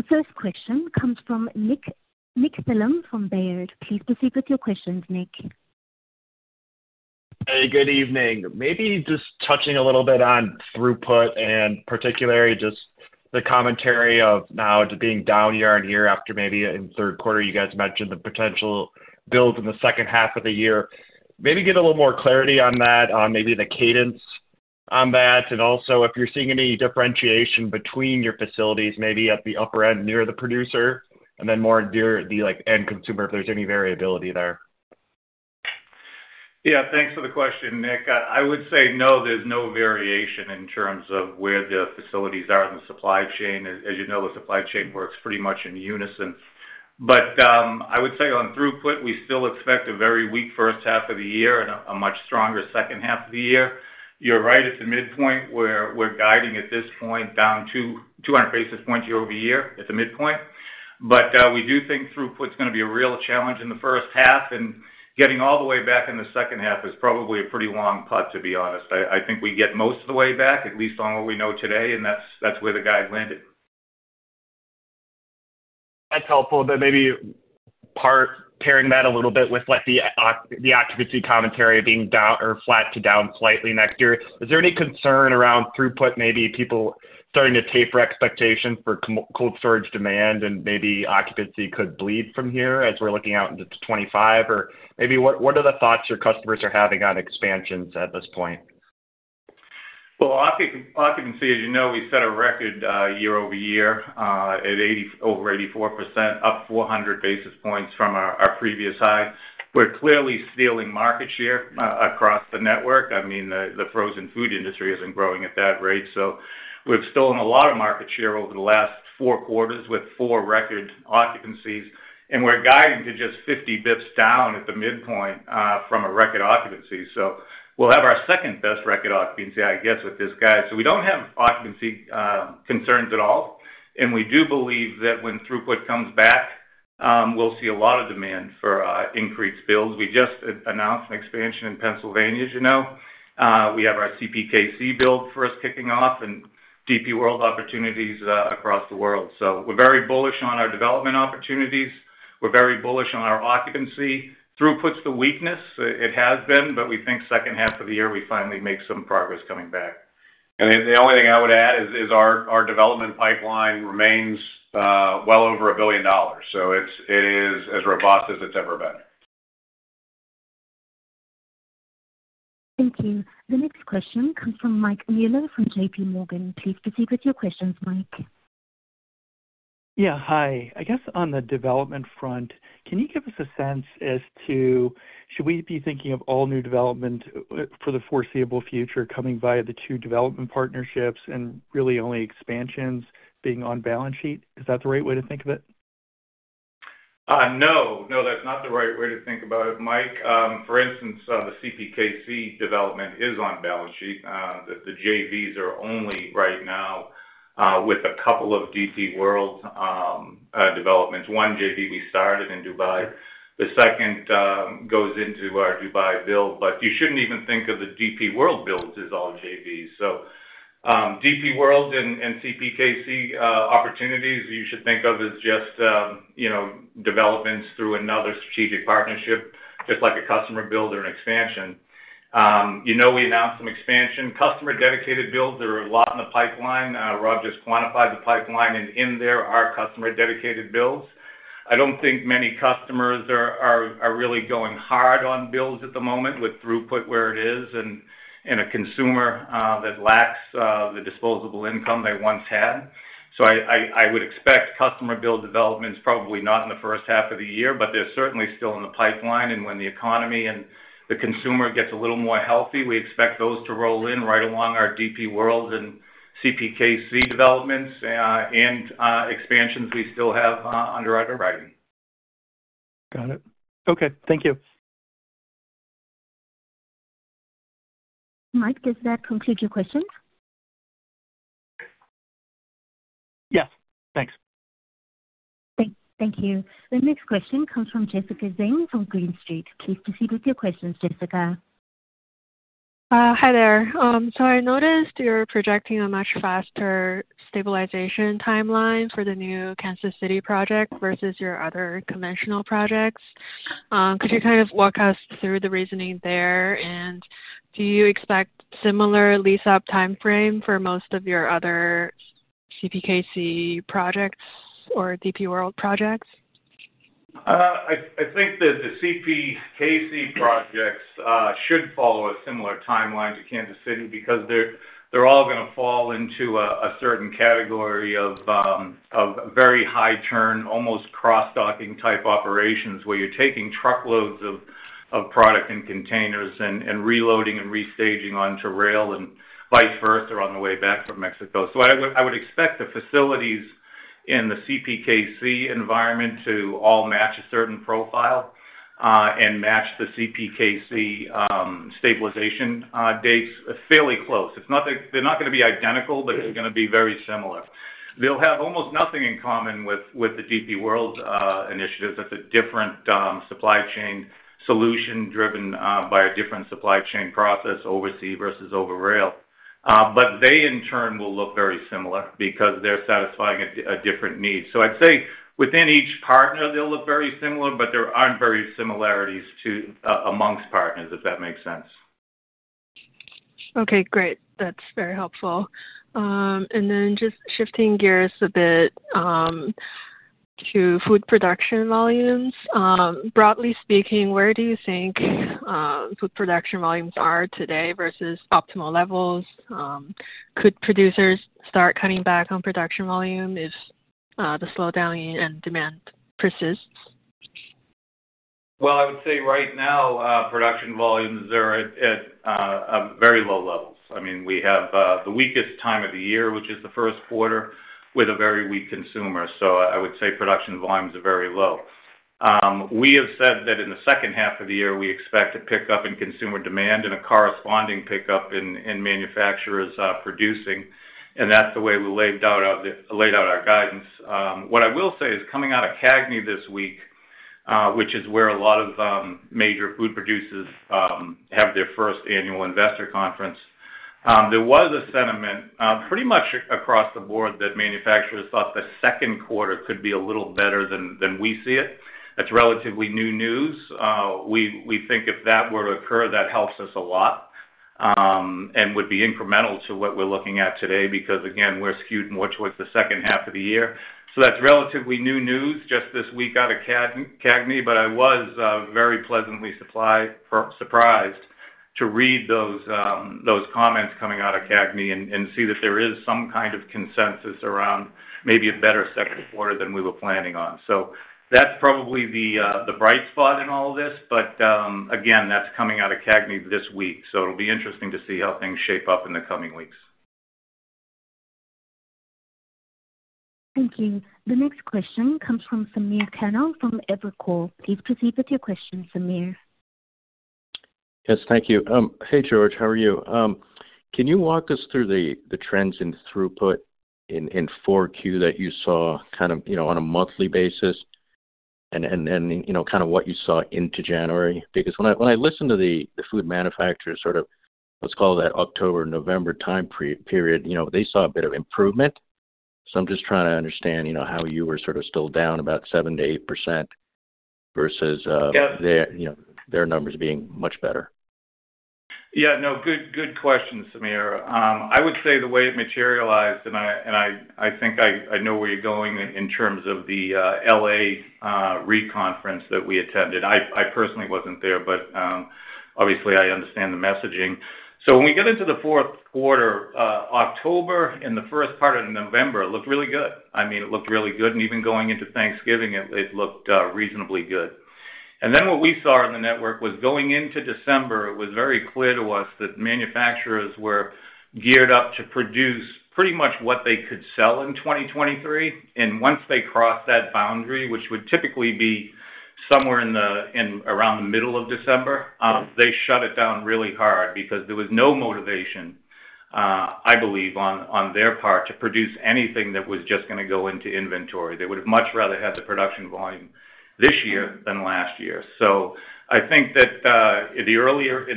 The first question comes from Nick Thillman from Baird. Please proceed with your questions, Nick. Hey, good evening. Maybe just touching a little bit on throughput and particularly just the commentary of now it being down year-over-year after maybe in third quarter you guys mentioned the potential builds in the second half of the year. Maybe get a little more clarity on that, on maybe the cadence on that, and also if you're seeing any differentiation between your facilities, maybe at the upper end near the producer and then more near the end consumer, if there's any variability there. Yeah, thanks for the question, Nick. I would say no, there's no variation in terms of where the facilities are in the supply chain. As you know, the supply chain works pretty much in unison. But I would say on throughput, we still expect a very weak first half of the year and a much stronger second half of the year. You're right, it's a midpoint. We're guiding at this point down to 200 basis points year-over-year. It's a midpoint. But we do think throughput's going to be a real challenge in the first half, and getting all the way back in the second half is probably a pretty long putt, to be honest. I think we get most of the way back, at least on what we know today, and that's where the guide landed. That's helpful. But maybe pairing that a little bit with the occupancy commentary being flat to down slightly next year, is there any concern around throughput, maybe people starting to taper expectations for cold storage demand and maybe occupancy could bleed from here as we're looking out into 2025? Or maybe what are the thoughts your customers are having on expansions at this point? Well, occupancy, as you know, we set a record year-over-year at over 84%, up 400 basis points from our previous high. We're clearly stealing market share across the network. I mean, the frozen food industry isn't growing at that rate. So we've stolen a lot of market share over the last four quarters with four record occupancies, and we're guiding to just 50 basis points down at the midpoint from a record occupancy. So we'll have our second best record occupancy, I guess, with this guide. So we don't have occupancy concerns at all, and we do believe that when throughput comes back, we'll see a lot of demand for increased builds. We just announced an expansion in Pennsylvania. We have our CPKC build first kicking off and DP World opportunities across the world. So we're very bullish on our development opportunities. We're very bullish on our occupancy. Throughput's the weakness. It has been, but we think second half of the year we finally make some progress coming back. The only thing I would add is our development pipeline remains well over $1 billion. So it is as robust as it's ever been. Thank you. The next question comes from Mike Mueller from J.P. Morgan. Please proceed with your questions, Mike. Yeah, hi. I guess on the development front, can you give us a sense as to should we be thinking of all new development for the foreseeable future coming via the two development partnerships and really only expansions being on balance sheet? Is that the right way to think of it? No, no, that's not the right way to think about it, Mike. For instance, the CPKC development is on balance sheet. The JVs are only right now with a couple of DP World developments. One JV we started in Dubai. The second goes into our Dubai build. But you shouldn't even think of the DP World builds as all JVs. So DP World and CPKC opportunities, you should think of as just developments through another strategic partnership, just like a customer build or an expansion. We announced some expansion. Customer-dedicated builds, there are a lot in the pipeline. Rob just quantified the pipeline, and in there are customer-dedicated builds. I don't think many customers are really going hard on builds at the moment with throughput where it is and a consumer that lacks the disposable income they once had. So I would expect customer build developments, probably not in the first half of the year, but they're certainly still in the pipeline. And when the economy and the consumer gets a little more healthy, we expect those to roll in right along our DP World and CPKC developments and expansions we still have underwriting. Got it. Okay, thank you. Mike, does that conclude your questions? Yes. Thanks. Thank you. The next question comes from Jessica Zheng from Green Street. Please proceed with your questions, Jessica. Hi there. So I noticed you're projecting a much faster stabilization timeline for the new Kansas City project versus your other conventional projects. Could you kind of walk us through the reasoning there? And do you expect similar lease-up timeframe for most of your other CPKC projects or DP World projects? I think that the CPKC projects should follow a similar timeline to Kansas City because they're all going to fall into a certain category of very high-turn, almost cross-docking type operations where you're taking truckloads of product in containers and reloading and restaging onto rail and vice versa on the way back from Mexico. So I would expect the facilities in the CPKC environment to all match a certain profile and match the CPKC stabilization dates fairly close. They're not going to be identical, but it's going to be very similar. They'll have almost nothing in common with the DP World initiatives. It's a different supply chain solution driven by a different supply chain process overseas versus over rail. But they, in turn, will look very similar because they're satisfying a different need. So I'd say within each partner, they'll look very similar, but there aren't very similarities amongst partners, if that makes sense. Okay, great. That's very helpful. And then just shifting gears a bit to food production volumes. Broadly speaking, where do you think food production volumes are today versus optimal levels? Could producers start cutting back on production volume if the slowdown and demand persists? Well, I would say right now, production volumes are at very low levels. I mean, we have the weakest time of the year, which is the first quarter, with a very weak consumer. So I would say production volumes are very low. We have said that in the second half of the year, we expect a pickup in consumer demand and a corresponding pickup in manufacturers producing. And that's the way we laid out our guidance. What I will say is coming out of CAGNY this week, which is where a lot of major food producers have their first annual investor conference, there was a sentiment pretty much across the board that manufacturers thought the second quarter could be a little better than we see it. That's relatively new news. We think if that were to occur, that helps us a lot and would be incremental to what we're looking at today because, again, we're skewed more towards the second half of the year. So that's relatively new news just this week out of CAGNY. But I was very pleasantly surprised to read those comments coming out of CAGNY and see that there is some kind of consensus around maybe a better second quarter than we were planning on. So that's probably the bright spot in all of this. But again, that's coming out of CAGNY this week. So it'll be interesting to see how things shape up in the coming weeks. Thank you. The next question comes from Samir Khanal from Evercore. Please proceed with your question, Samir. Yes, thank you. Hey, George, how are you? Can you walk us through the trends in throughput in 4Q that you saw kind of on a monthly basis and then kind of what you saw into January? Because when I listen to the food manufacturers, sort of let's call that October-November time period, they saw a bit of improvement. So I'm just trying to understand how you were sort of still down about 7%-8% versus their numbers being much better. Yeah, no, good question, Samir. I would say the way it materialized and I think I know where you're going in terms of the Nareit conference that we attended. I personally wasn't there, but obviously, I understand the messaging. So when we get into the fourth quarter, October and the first part of November looked really good. I mean, it looked really good. And even going into Thanksgiving, it looked reasonably good. Then what we saw in the network, going into December, it was very clear to us that manufacturers were geared up to produce pretty much what they could sell in 2023. And once they crossed that boundary, which would typically be somewhere around the middle of December, they shut it down really hard because there was no motivation, I believe, on their part to produce anything that was just going to go into inventory. They would have much rather had the production volume this year than last year. So I think that in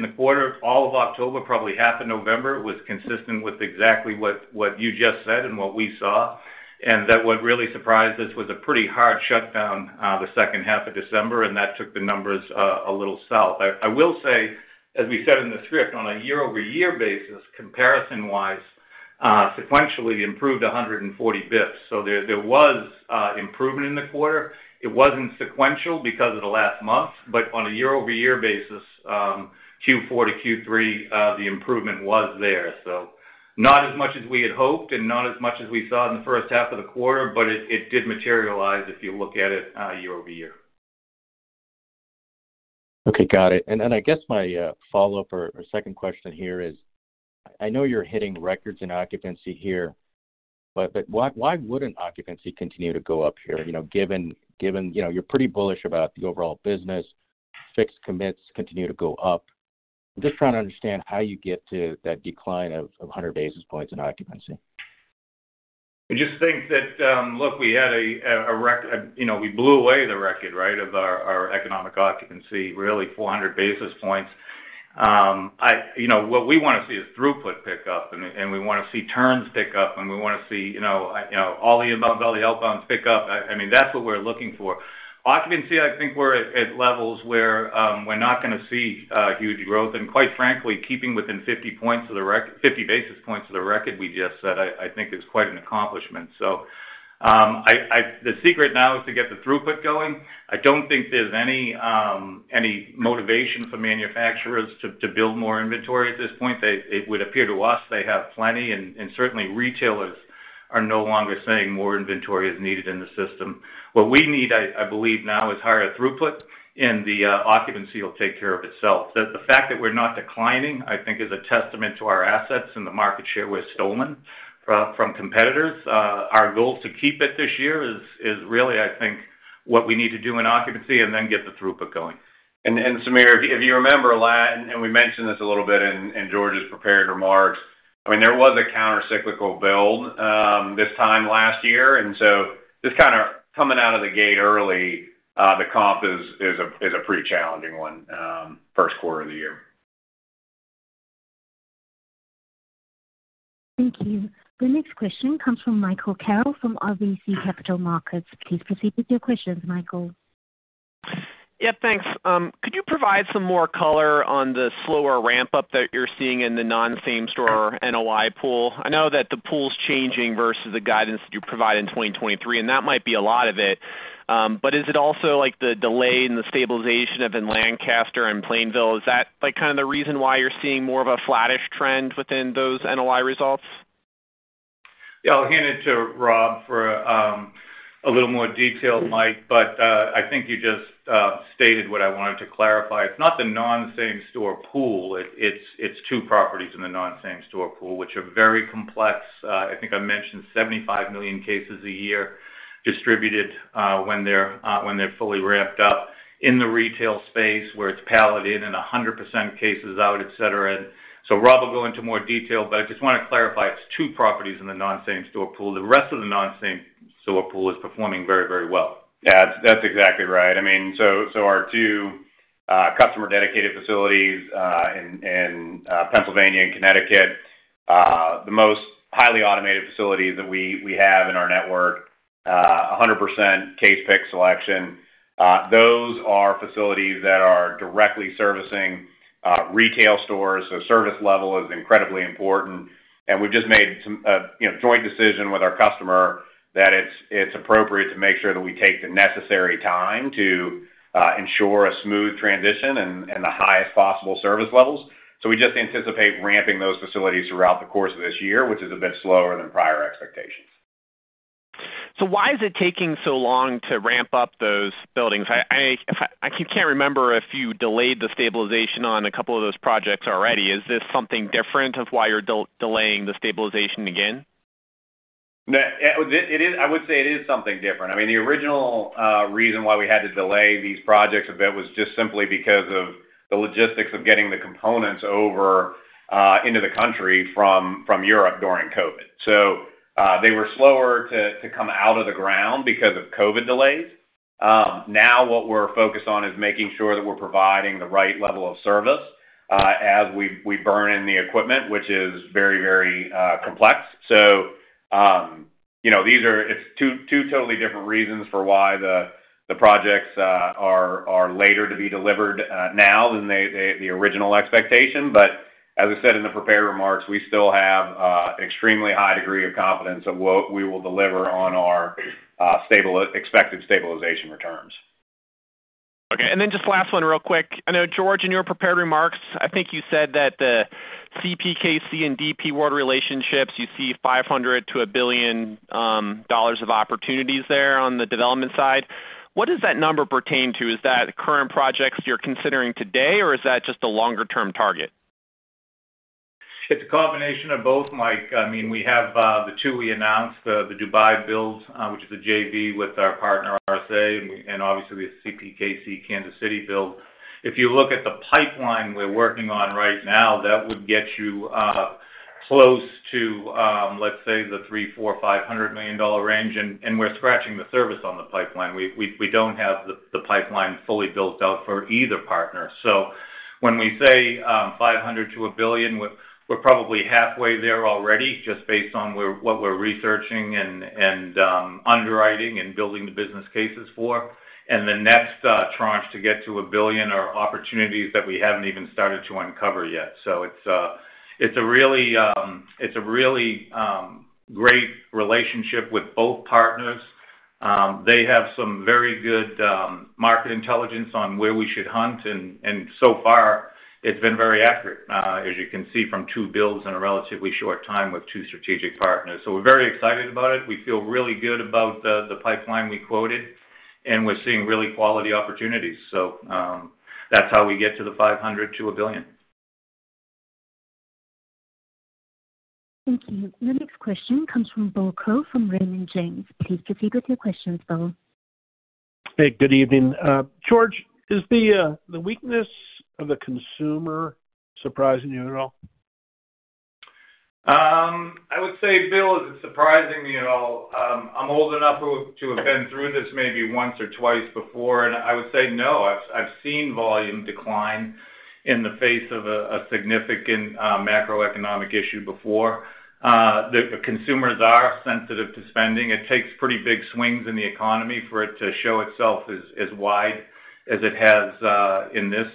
the quarter of all of October, probably half of November, it was consistent with exactly what you just said and what we saw. And that what really surprised us was a pretty hard shutdown the second half of December, and that took the numbers a little south. I will say, as we said in the script, on a year-over-year basis, comparison-wise, sequentially improved 140 basis points. So there was improvement in the quarter. It wasn't sequential because of the last month. But on a year-over-year basis, Q4 to Q3, the improvement was there. So not as much as we had hoped and not as much as we saw in the first half of the quarter, but it did materialize if you look at it year-over-year. Okay, got it. And then I guess my follow-up or second question here is, I know you're hitting records in occupancy here, but why wouldn't occupancy continue to go up here given you're pretty bullish about the overall business, fixed commits continue to go up? I'm just trying to understand how you get to that decline of 100 basis points in occupancy. I just think that, look, we had we blew away the record, right, of our economic occupancy, really 400 basis points. What we want to see is throughput pick up, and we want to see turns pick up, and we want to see all the inbounds, all the outbounds pick up. I mean, that's what we're looking for. Occupancy, I think we're at levels where we're not going to see huge growth. And quite frankly, keeping within 50 basis points of the record we just said, I think, is quite an accomplishment. So the secret now is to get the throughput going. I don't think there's any motivation for manufacturers to build more inventory at this point. It would appear to us they have plenty. And certainly, retailers are no longer saying more inventory is needed in the system. What we need, I believe, now is higher throughput, and the occupancy will take care of itself. The fact that we're not declining, I think, is a testament to our assets and the market share we've stolen from competitors. Our goal to keep it this year is really, I think, what we need to do in occupancy and then get the throughput going. And Samir, if you remember, and we mentioned this a little bit in George's prepared remarks, I mean, there was a countercyclical build this time last year. So just kind of coming out of the gate early, the comp is a pretty challenging one first quarter of the year. Thank you. The next question comes from Michael Carroll from RBC Capital Markets. Please proceed with your questions, Michael. Yep, thanks. Could you provide some more color on the slower ramp-up that you're seeing in the non-same-store NOI pool? I know that the pool's changing versus the guidance that you provide in 2023, and that might be a lot of it. But is it also the delay in the stabilization of in Lancaster and Plainville? Is that kind of the reason why you're seeing more of a flattish trend within those NOI results? Yeah, I'll hand it to Rob for a little more detail, Mike. But I think you just stated what I wanted to clarify. It's not the non-same-store NOI pool. It's two properties in the non-same-store NOI pool, which are very complex. I think I mentioned 75 million cases a year distributed when they're fully ramped up in the retail space where it's pallet in and 100% cases out, etc. So Rob will go into more detail, but I just want to clarify, it's two properties in the non-same-store pool. The rest of the non-same-store pool is performing very, very well. Yeah, that's exactly right. I mean, so our two customer-dedicated facilities in Pennsylvania and Connecticut, the most highly automated facilities that we have in our network, 100% case pick selection, those are facilities that are directly servicing retail stores. So service level is incredibly important. And we've just made some joint decision with our customer that it's appropriate to make sure that we take the necessary time to ensure a smooth transition and the highest possible service levels. So we just anticipate ramping those facilities throughout the course of this year, which is a bit slower than prior expectations. So why is it taking so long to ramp up those buildings? I can't remember if you delayed the stabilization on a couple of those projects already. Is this something different of why you're delaying the stabilization again? I would say it is something different. I mean, the original reason why we had to delay these projects a bit was just simply because of the logistics of getting the components over into the country from Europe during COVID. So they were slower to come out of the ground because of COVID delays. Now, what we're focused on is making sure that we're providing the right level of service as we burn in the equipment, which is very, very complex. So these are two totally different reasons for why the projects are later to be delivered now than the original expectation. But as I said in the prepared remarks, we still have an extremely high degree of confidence that we will deliver on our expected stabilization returns. Okay. And then just last one real quick. I know, George, in your prepared remarks, I think you said that the CPKC and DP World relationships, you see $500 million-$1 billion of opportunities there on the development side. What does that number pertain to? Is that current projects you're considering today, or is that just a longer-term target? It's a combination of both, Mike. I mean, we have the two we announced, the Dubai builds, which is a JV with our partner RSA, and obviously, the CPKC Kansas City build. If you look at the pipeline we're working on right now, that would get you close to, let's say, the $300 million-$500 million range. We're scratching the surface on the pipeline. We don't have the pipeline fully built out for either partner. So when we say $500 million-$1 billion, we're probably halfway there already just based on what we're researching and underwriting and building the business cases for. And the next tranche to get to $1 billion are opportunities that we haven't even started to uncover yet. So it's a really great relationship with both partners. They have some very good market intelligence on where we should hunt. And so far, it's been very accurate, as you can see, from two builds in a relatively short time with two strategic partners. So we're very excited about it. We feel really good about the pipeline we quoted, and we're seeing really quality opportunities. So that's how we get to the $500 million-$1 billion. Thank you. The next question comes from William Crow from Raymond James. Please proceed with your questions, Bill. Hey, good evening. George, is the weakness of the consumer surprising you at all? I would say, Bill, is it surprising me at all? I'm old enough to have been through this maybe once or twice before. And I would say, no. I've seen volume decline in the face of a significant macroeconomic issue before. Consumers are sensitive to spending. It takes pretty big swings in the economy for it to show itself as wide as it has in this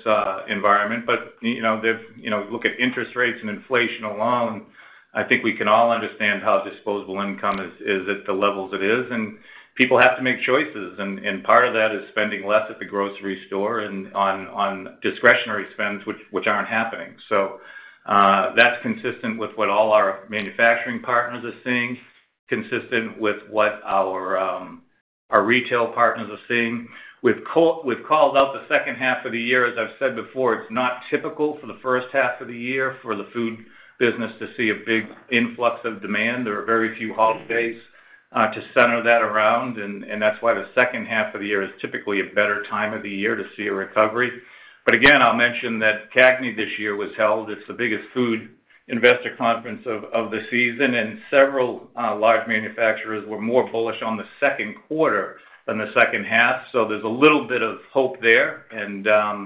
environment. But look at interest rates and inflation alone. I think we can all understand how disposable income is at the levels it is. And people have to make choices. And part of that is spending less at the grocery store and on discretionary spends, which aren't happening. So that's consistent with what all our manufacturing partners are seeing, consistent with what our retail partners are seeing. We've called out the second half of the year. As I've said before, it's not typical for the first half of the year for the food business to see a big influx of demand. There are very few holidays to center that around. And that's why the second half of the year is typically a better time of the year to see a recovery. But again, I'll mention that CAGNY this year was held. It's the biggest food investor conference of the season. And several large manufacturers were more bullish on the second quarter than the second half. So there's a little bit of hope there that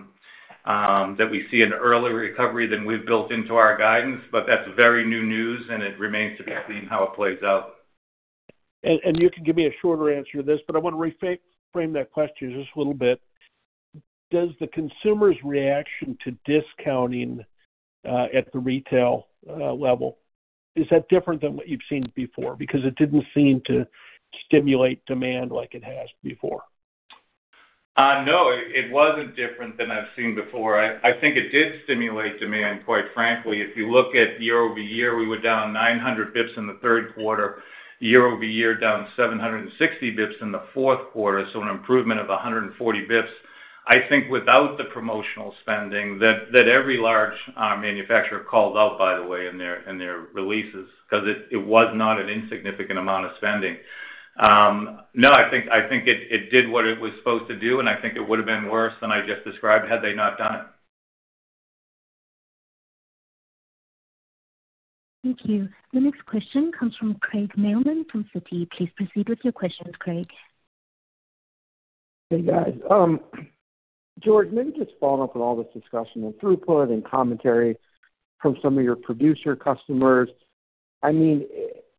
we see an earlier recovery than we've built into our guidance. But that's very new news, and it remains to be seen how it plays out. And you can give me a shorter answer to this, but I want to reframe that question just a little bit. Does the consumer's reaction to discounting at the retail level, is that different than what you've seen before? Because it didn't seem to stimulate demand like it has before. No, it wasn't different than I've seen before. I think it did stimulate demand, quite frankly. If you look at year-over-year, we were down 900 bps in the third quarter. Year-over-year, down 760 bps in the fourth quarter. So an improvement of 140 bps. I think without the promotional spending that every large manufacturer called out, by the way, in their releases because it was not an insignificant amount of spending, no, I think it did what it was supposed to do. I think it would have been worse than I just described had they not done it. Thank you. The next question comes from Craig Mailman from Citi. Please proceed with your questions, Craig. Hey, guys. George, maybe just following up on all this discussion and throughput and commentary from some of your producer customers. I mean,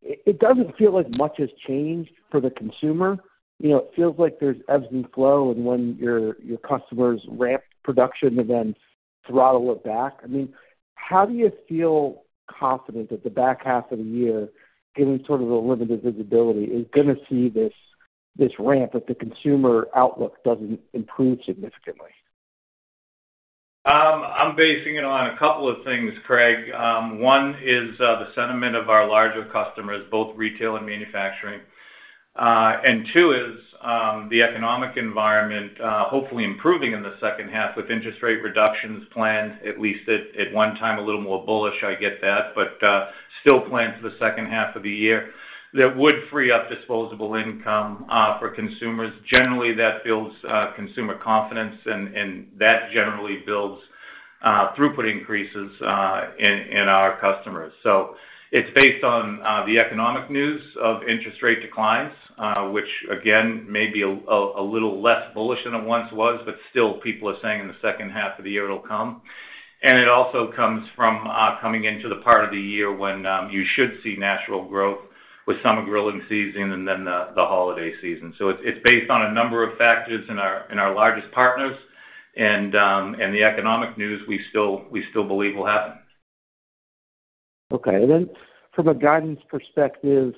it doesn't feel like much has changed for the consumer. It feels like there's ebbs and flow. When your customers ramp production, they then throttle it back. I mean, how do you feel confident that the back half of the year, given sort of the limited visibility, is going to see this ramp if the consumer outlook doesn't improve significantly? I'm basing it on a couple of things, Craig. One is the sentiment of our larger customers, both retail and manufacturing. And two is the economic environment hopefully improving in the second half with interest rate reductions planned, at least at one time, a little more bullish. I get that. But still plans for the second half of the year that would free up disposable income for consumers. Generally, that builds consumer confidence, and that generally builds throughput increases in our customers. So it's based on the economic news of interest rate declines, which, again, may be a little less bullish than it once was. But still, people are saying in the second half of the year, it'll come. And it also comes from coming into the part of the year when you should see natural growth with summer grilling season and then the holiday season. So it's based on a number of factors in our largest partners and the economic news we still believe will happen. Okay. And then from a guidance perspective,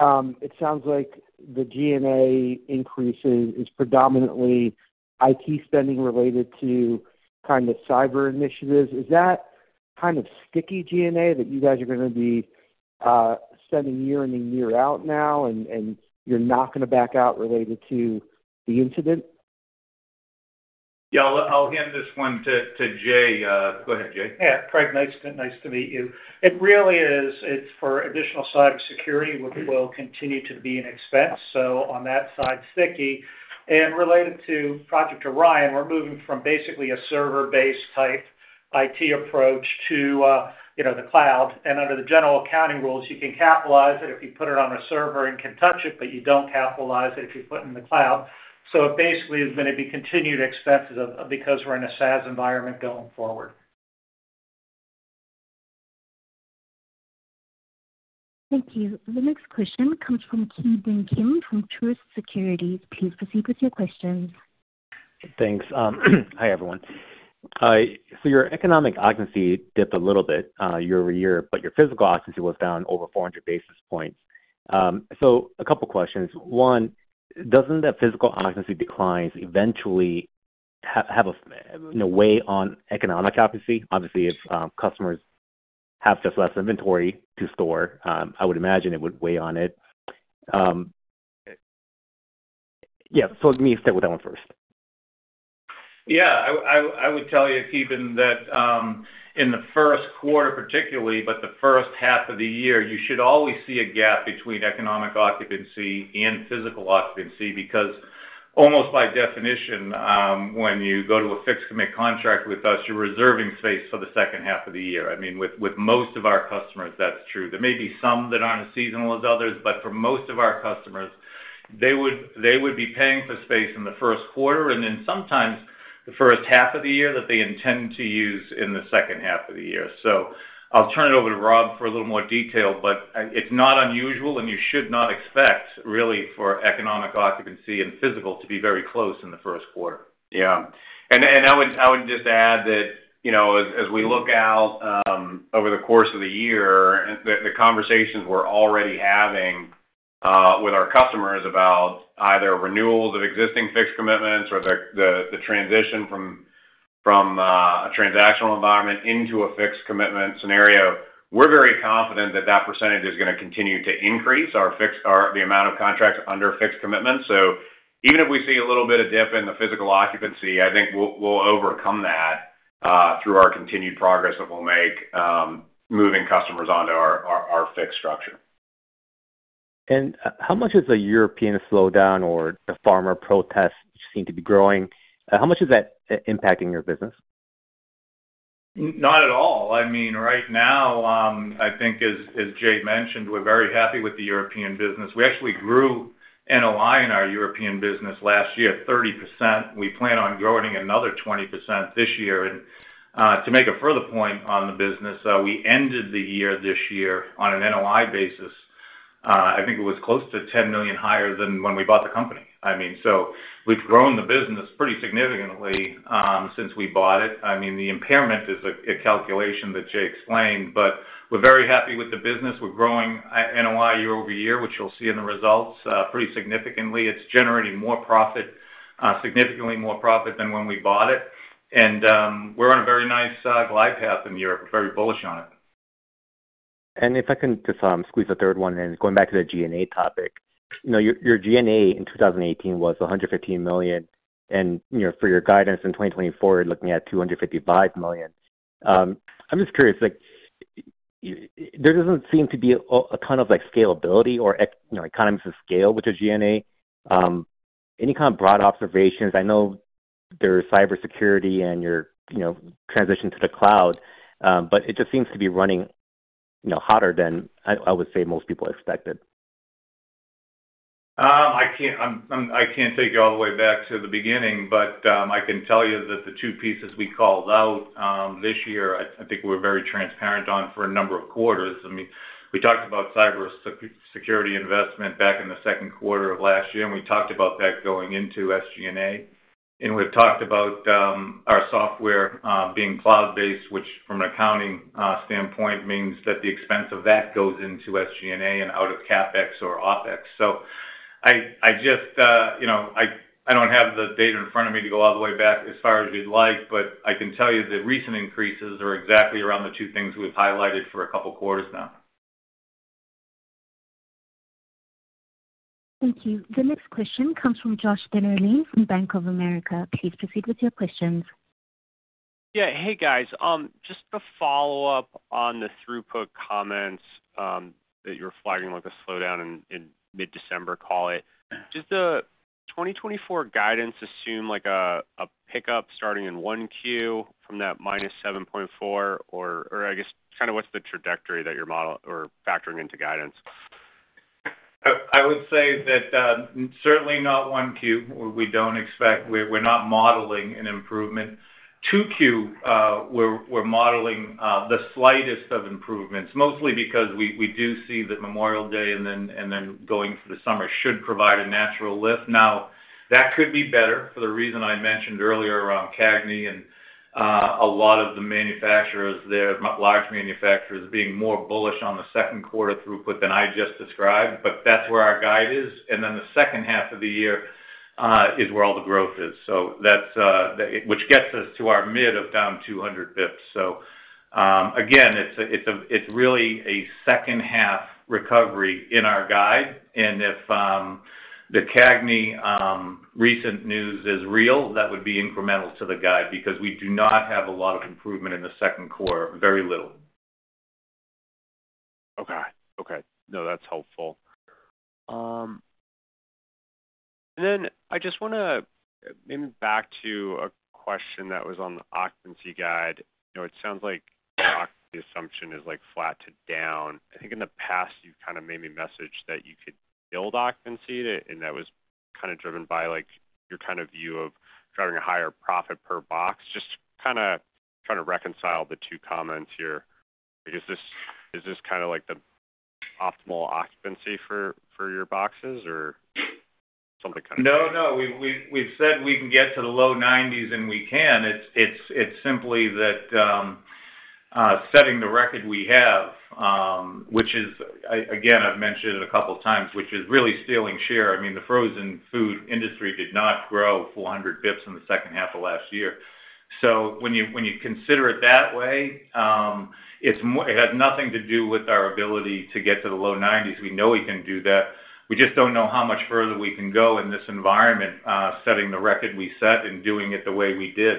it sounds like the G&A increases is predominantly IT spending related to kind of cyber initiatives. Is that kind of sticky G&A that you guys are going to be spending year in and year out now, and you're not going to back out related to the incident? Yeah, I'll hand this one to Jay. Go ahead, Jay. Yeah, Craig, nice to meet you. It really is. It's for additional cybersecurity, which will continue to be an expense. On that side, sticky. Related to Project Orion, we're moving from basically a server-based type IT approach to the cloud. Under the general accounting rules, you can capitalize it if you put it on a server and can touch it, but you don't capitalize it if you put it in the cloud. So it basically is going to be continued expenses because we're in a SaaS environment going forward. Thank you. The next question comes from Ki Bin Kim from Truist Securities. Please proceed with your questions. Thanks. Hi, everyone. So your economic occupancy dipped a little bit year-over-year, but your physical occupancy was down over 400 basis points. So a couple of questions. One, doesn't that physical occupancy declines eventually have a weight on economic occupancy? Obviously, if customers have just less inventory to store, I would imagine it would weigh on it. Yeah, so let me start with that one first. Yeah, I would tell you, Ki Bin, that in the first quarter particularly, but the first half of the year, you should always see a gap between economic occupancy and physical occupancy because almost by definition, when you go to a fixed-commit contract with us, you're reserving space for the second half of the year. I mean, with most of our customers, that's true. There may be some that aren't as seasonal as others. But for most of our customers, they would be paying for space in the first quarter and then sometimes the first half of the year that they intend to use in the second half of the year. So I'll turn it over to Rob for a little more detail, but it's not unusual, and you should not expect, really, for economic occupancy and physical to be very close in the first quarter. Yeah. And I would just add that as we look out over the course of the year, the conversations we're already having with our customers about either renewals of existing fixed commitments or the transition from a transactional environment into a fixed commitment scenario, we're very confident that that percentage is going to continue to increase, the amount of contracts under fixed commitments. So even if we see a little bit of dip in the physical occupancy, I think we'll overcome that through our continued progress that we'll make moving customers onto our fixed structure. And how much is the European slowdown or the farmer protests seem to be growing? How much is that impacting your business? Not at all. I mean, right now, I think, as Jay mentioned, we're very happy with the European business. We actually grew NOI in our European business last year 30%. We plan on growing another 20% this year. And to make a further point on the business, we ended the year this year on an NOI basis. I think it was close to $10 million higher than when we bought the company. I mean, so we've grown the business pretty significantly since we bought it. I mean, the impairment is a calculation that Jay explained, but we're very happy with the business. We're growing NOI year-over-year, which you'll see in the results, pretty significantly. It's generating significantly more profit than when we bought it. And we're on a very nice glide path in Europe, very bullish on it. And if I can just squeeze a third one in, going back to the G&A topic, your G&A in 2018 was $115 million. And for your guidance in 2024, you're looking at $255 million. I'm just curious. There doesn't seem to be a ton of scalability or economies of scale with your G&A. Any kind of broad observations? I know there's cybersecurity and your transition to the cloud, but it just seems to be running hotter than, I would say, most people expected. I can't take you all the way back to the beginning, but I can tell you that the two pieces we called out this year, I think we were very transparent on for a number of quarters. I mean, we talked about cybersecurity investment back in the second quarter of last year. And we talked about that going into SG&A. We've talked about our software being cloud-based, which from an accounting standpoint means that the expense of that goes into SG&A and out of CapEx or OpEx. I just I don't have the data in front of me to go all the way back as far as you'd like, but I can tell you the recent increases are exactly around the two things we've highlighted for a couple of quarters now. Thank you. The next question comes from Joshua Dennerlein from Bank of America. Please proceed with your questions. Yeah, hey, guys. Just to follow up on the throughput comments that you were flagging like a slowdown in mid-December, call it, does the 2024 guidance assume a pickup starting in 1Q from that -7.4%? Or I guess kind of what's the trajectory that you're factoring into guidance? I would say that certainly not 1Q. We're not modeling an improvement. 2Q, we're modeling the slightest of improvements, mostly because we do see that Memorial Day and then going through the summer should provide a natural lift. Now, that could be better for the reason I mentioned earlier around CAGNY and a lot of the manufacturers there, large manufacturers, being more bullish on the second quarter throughput than I just described. But that's where our guide is. And then the second half of the year is where all the growth is, which gets us to our mid of down 200 bps. So again, it's really a second-half recovery in our guide. And if the CAGNY recent news is real, that would be incremental to the guide because we do not have a lot of improvement in the second quarter, very little. Okay. Okay. No, that's helpful. Then I just want to maybe back to a question that was on the occupancy guide. It sounds like the occupancy assumption is flat to down. I think in the past, you've kind of made me message that you could build occupancy, and that was kind of driven by your kind of view of driving a higher profit per box. Just kind of trying to reconcile the two comments here. Is this kind of the optimal occupancy for your boxes, or something kind of? No, no. We've said we can get to the low 90s, and we can. It's simply that setting the record we have, which is, again, I've mentioned it a couple of times, which is really stealing share. I mean, the frozen food industry did not grow 400 basis points in the second half of last year. So when you consider it that way, it has nothing to do with our ability to get to the low 90s. We know we can do that. We just don't know how much further we can go in this environment setting the record we set and doing it the way we did.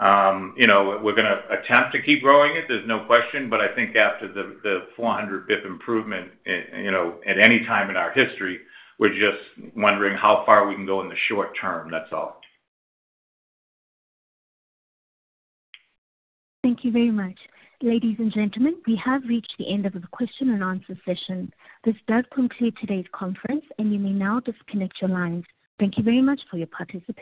We're going to attempt to keep growing it. There's no question. But I think after the 400 basis point improvement at any time in our history, we're just wondering how far we can go in the short term. That's all. Thank you very much. Ladies and gentlemen, we have reached the end of the question-and-answer session. This does conclude today's conference, and you may now disconnect your lines. Thank you very much for your participation.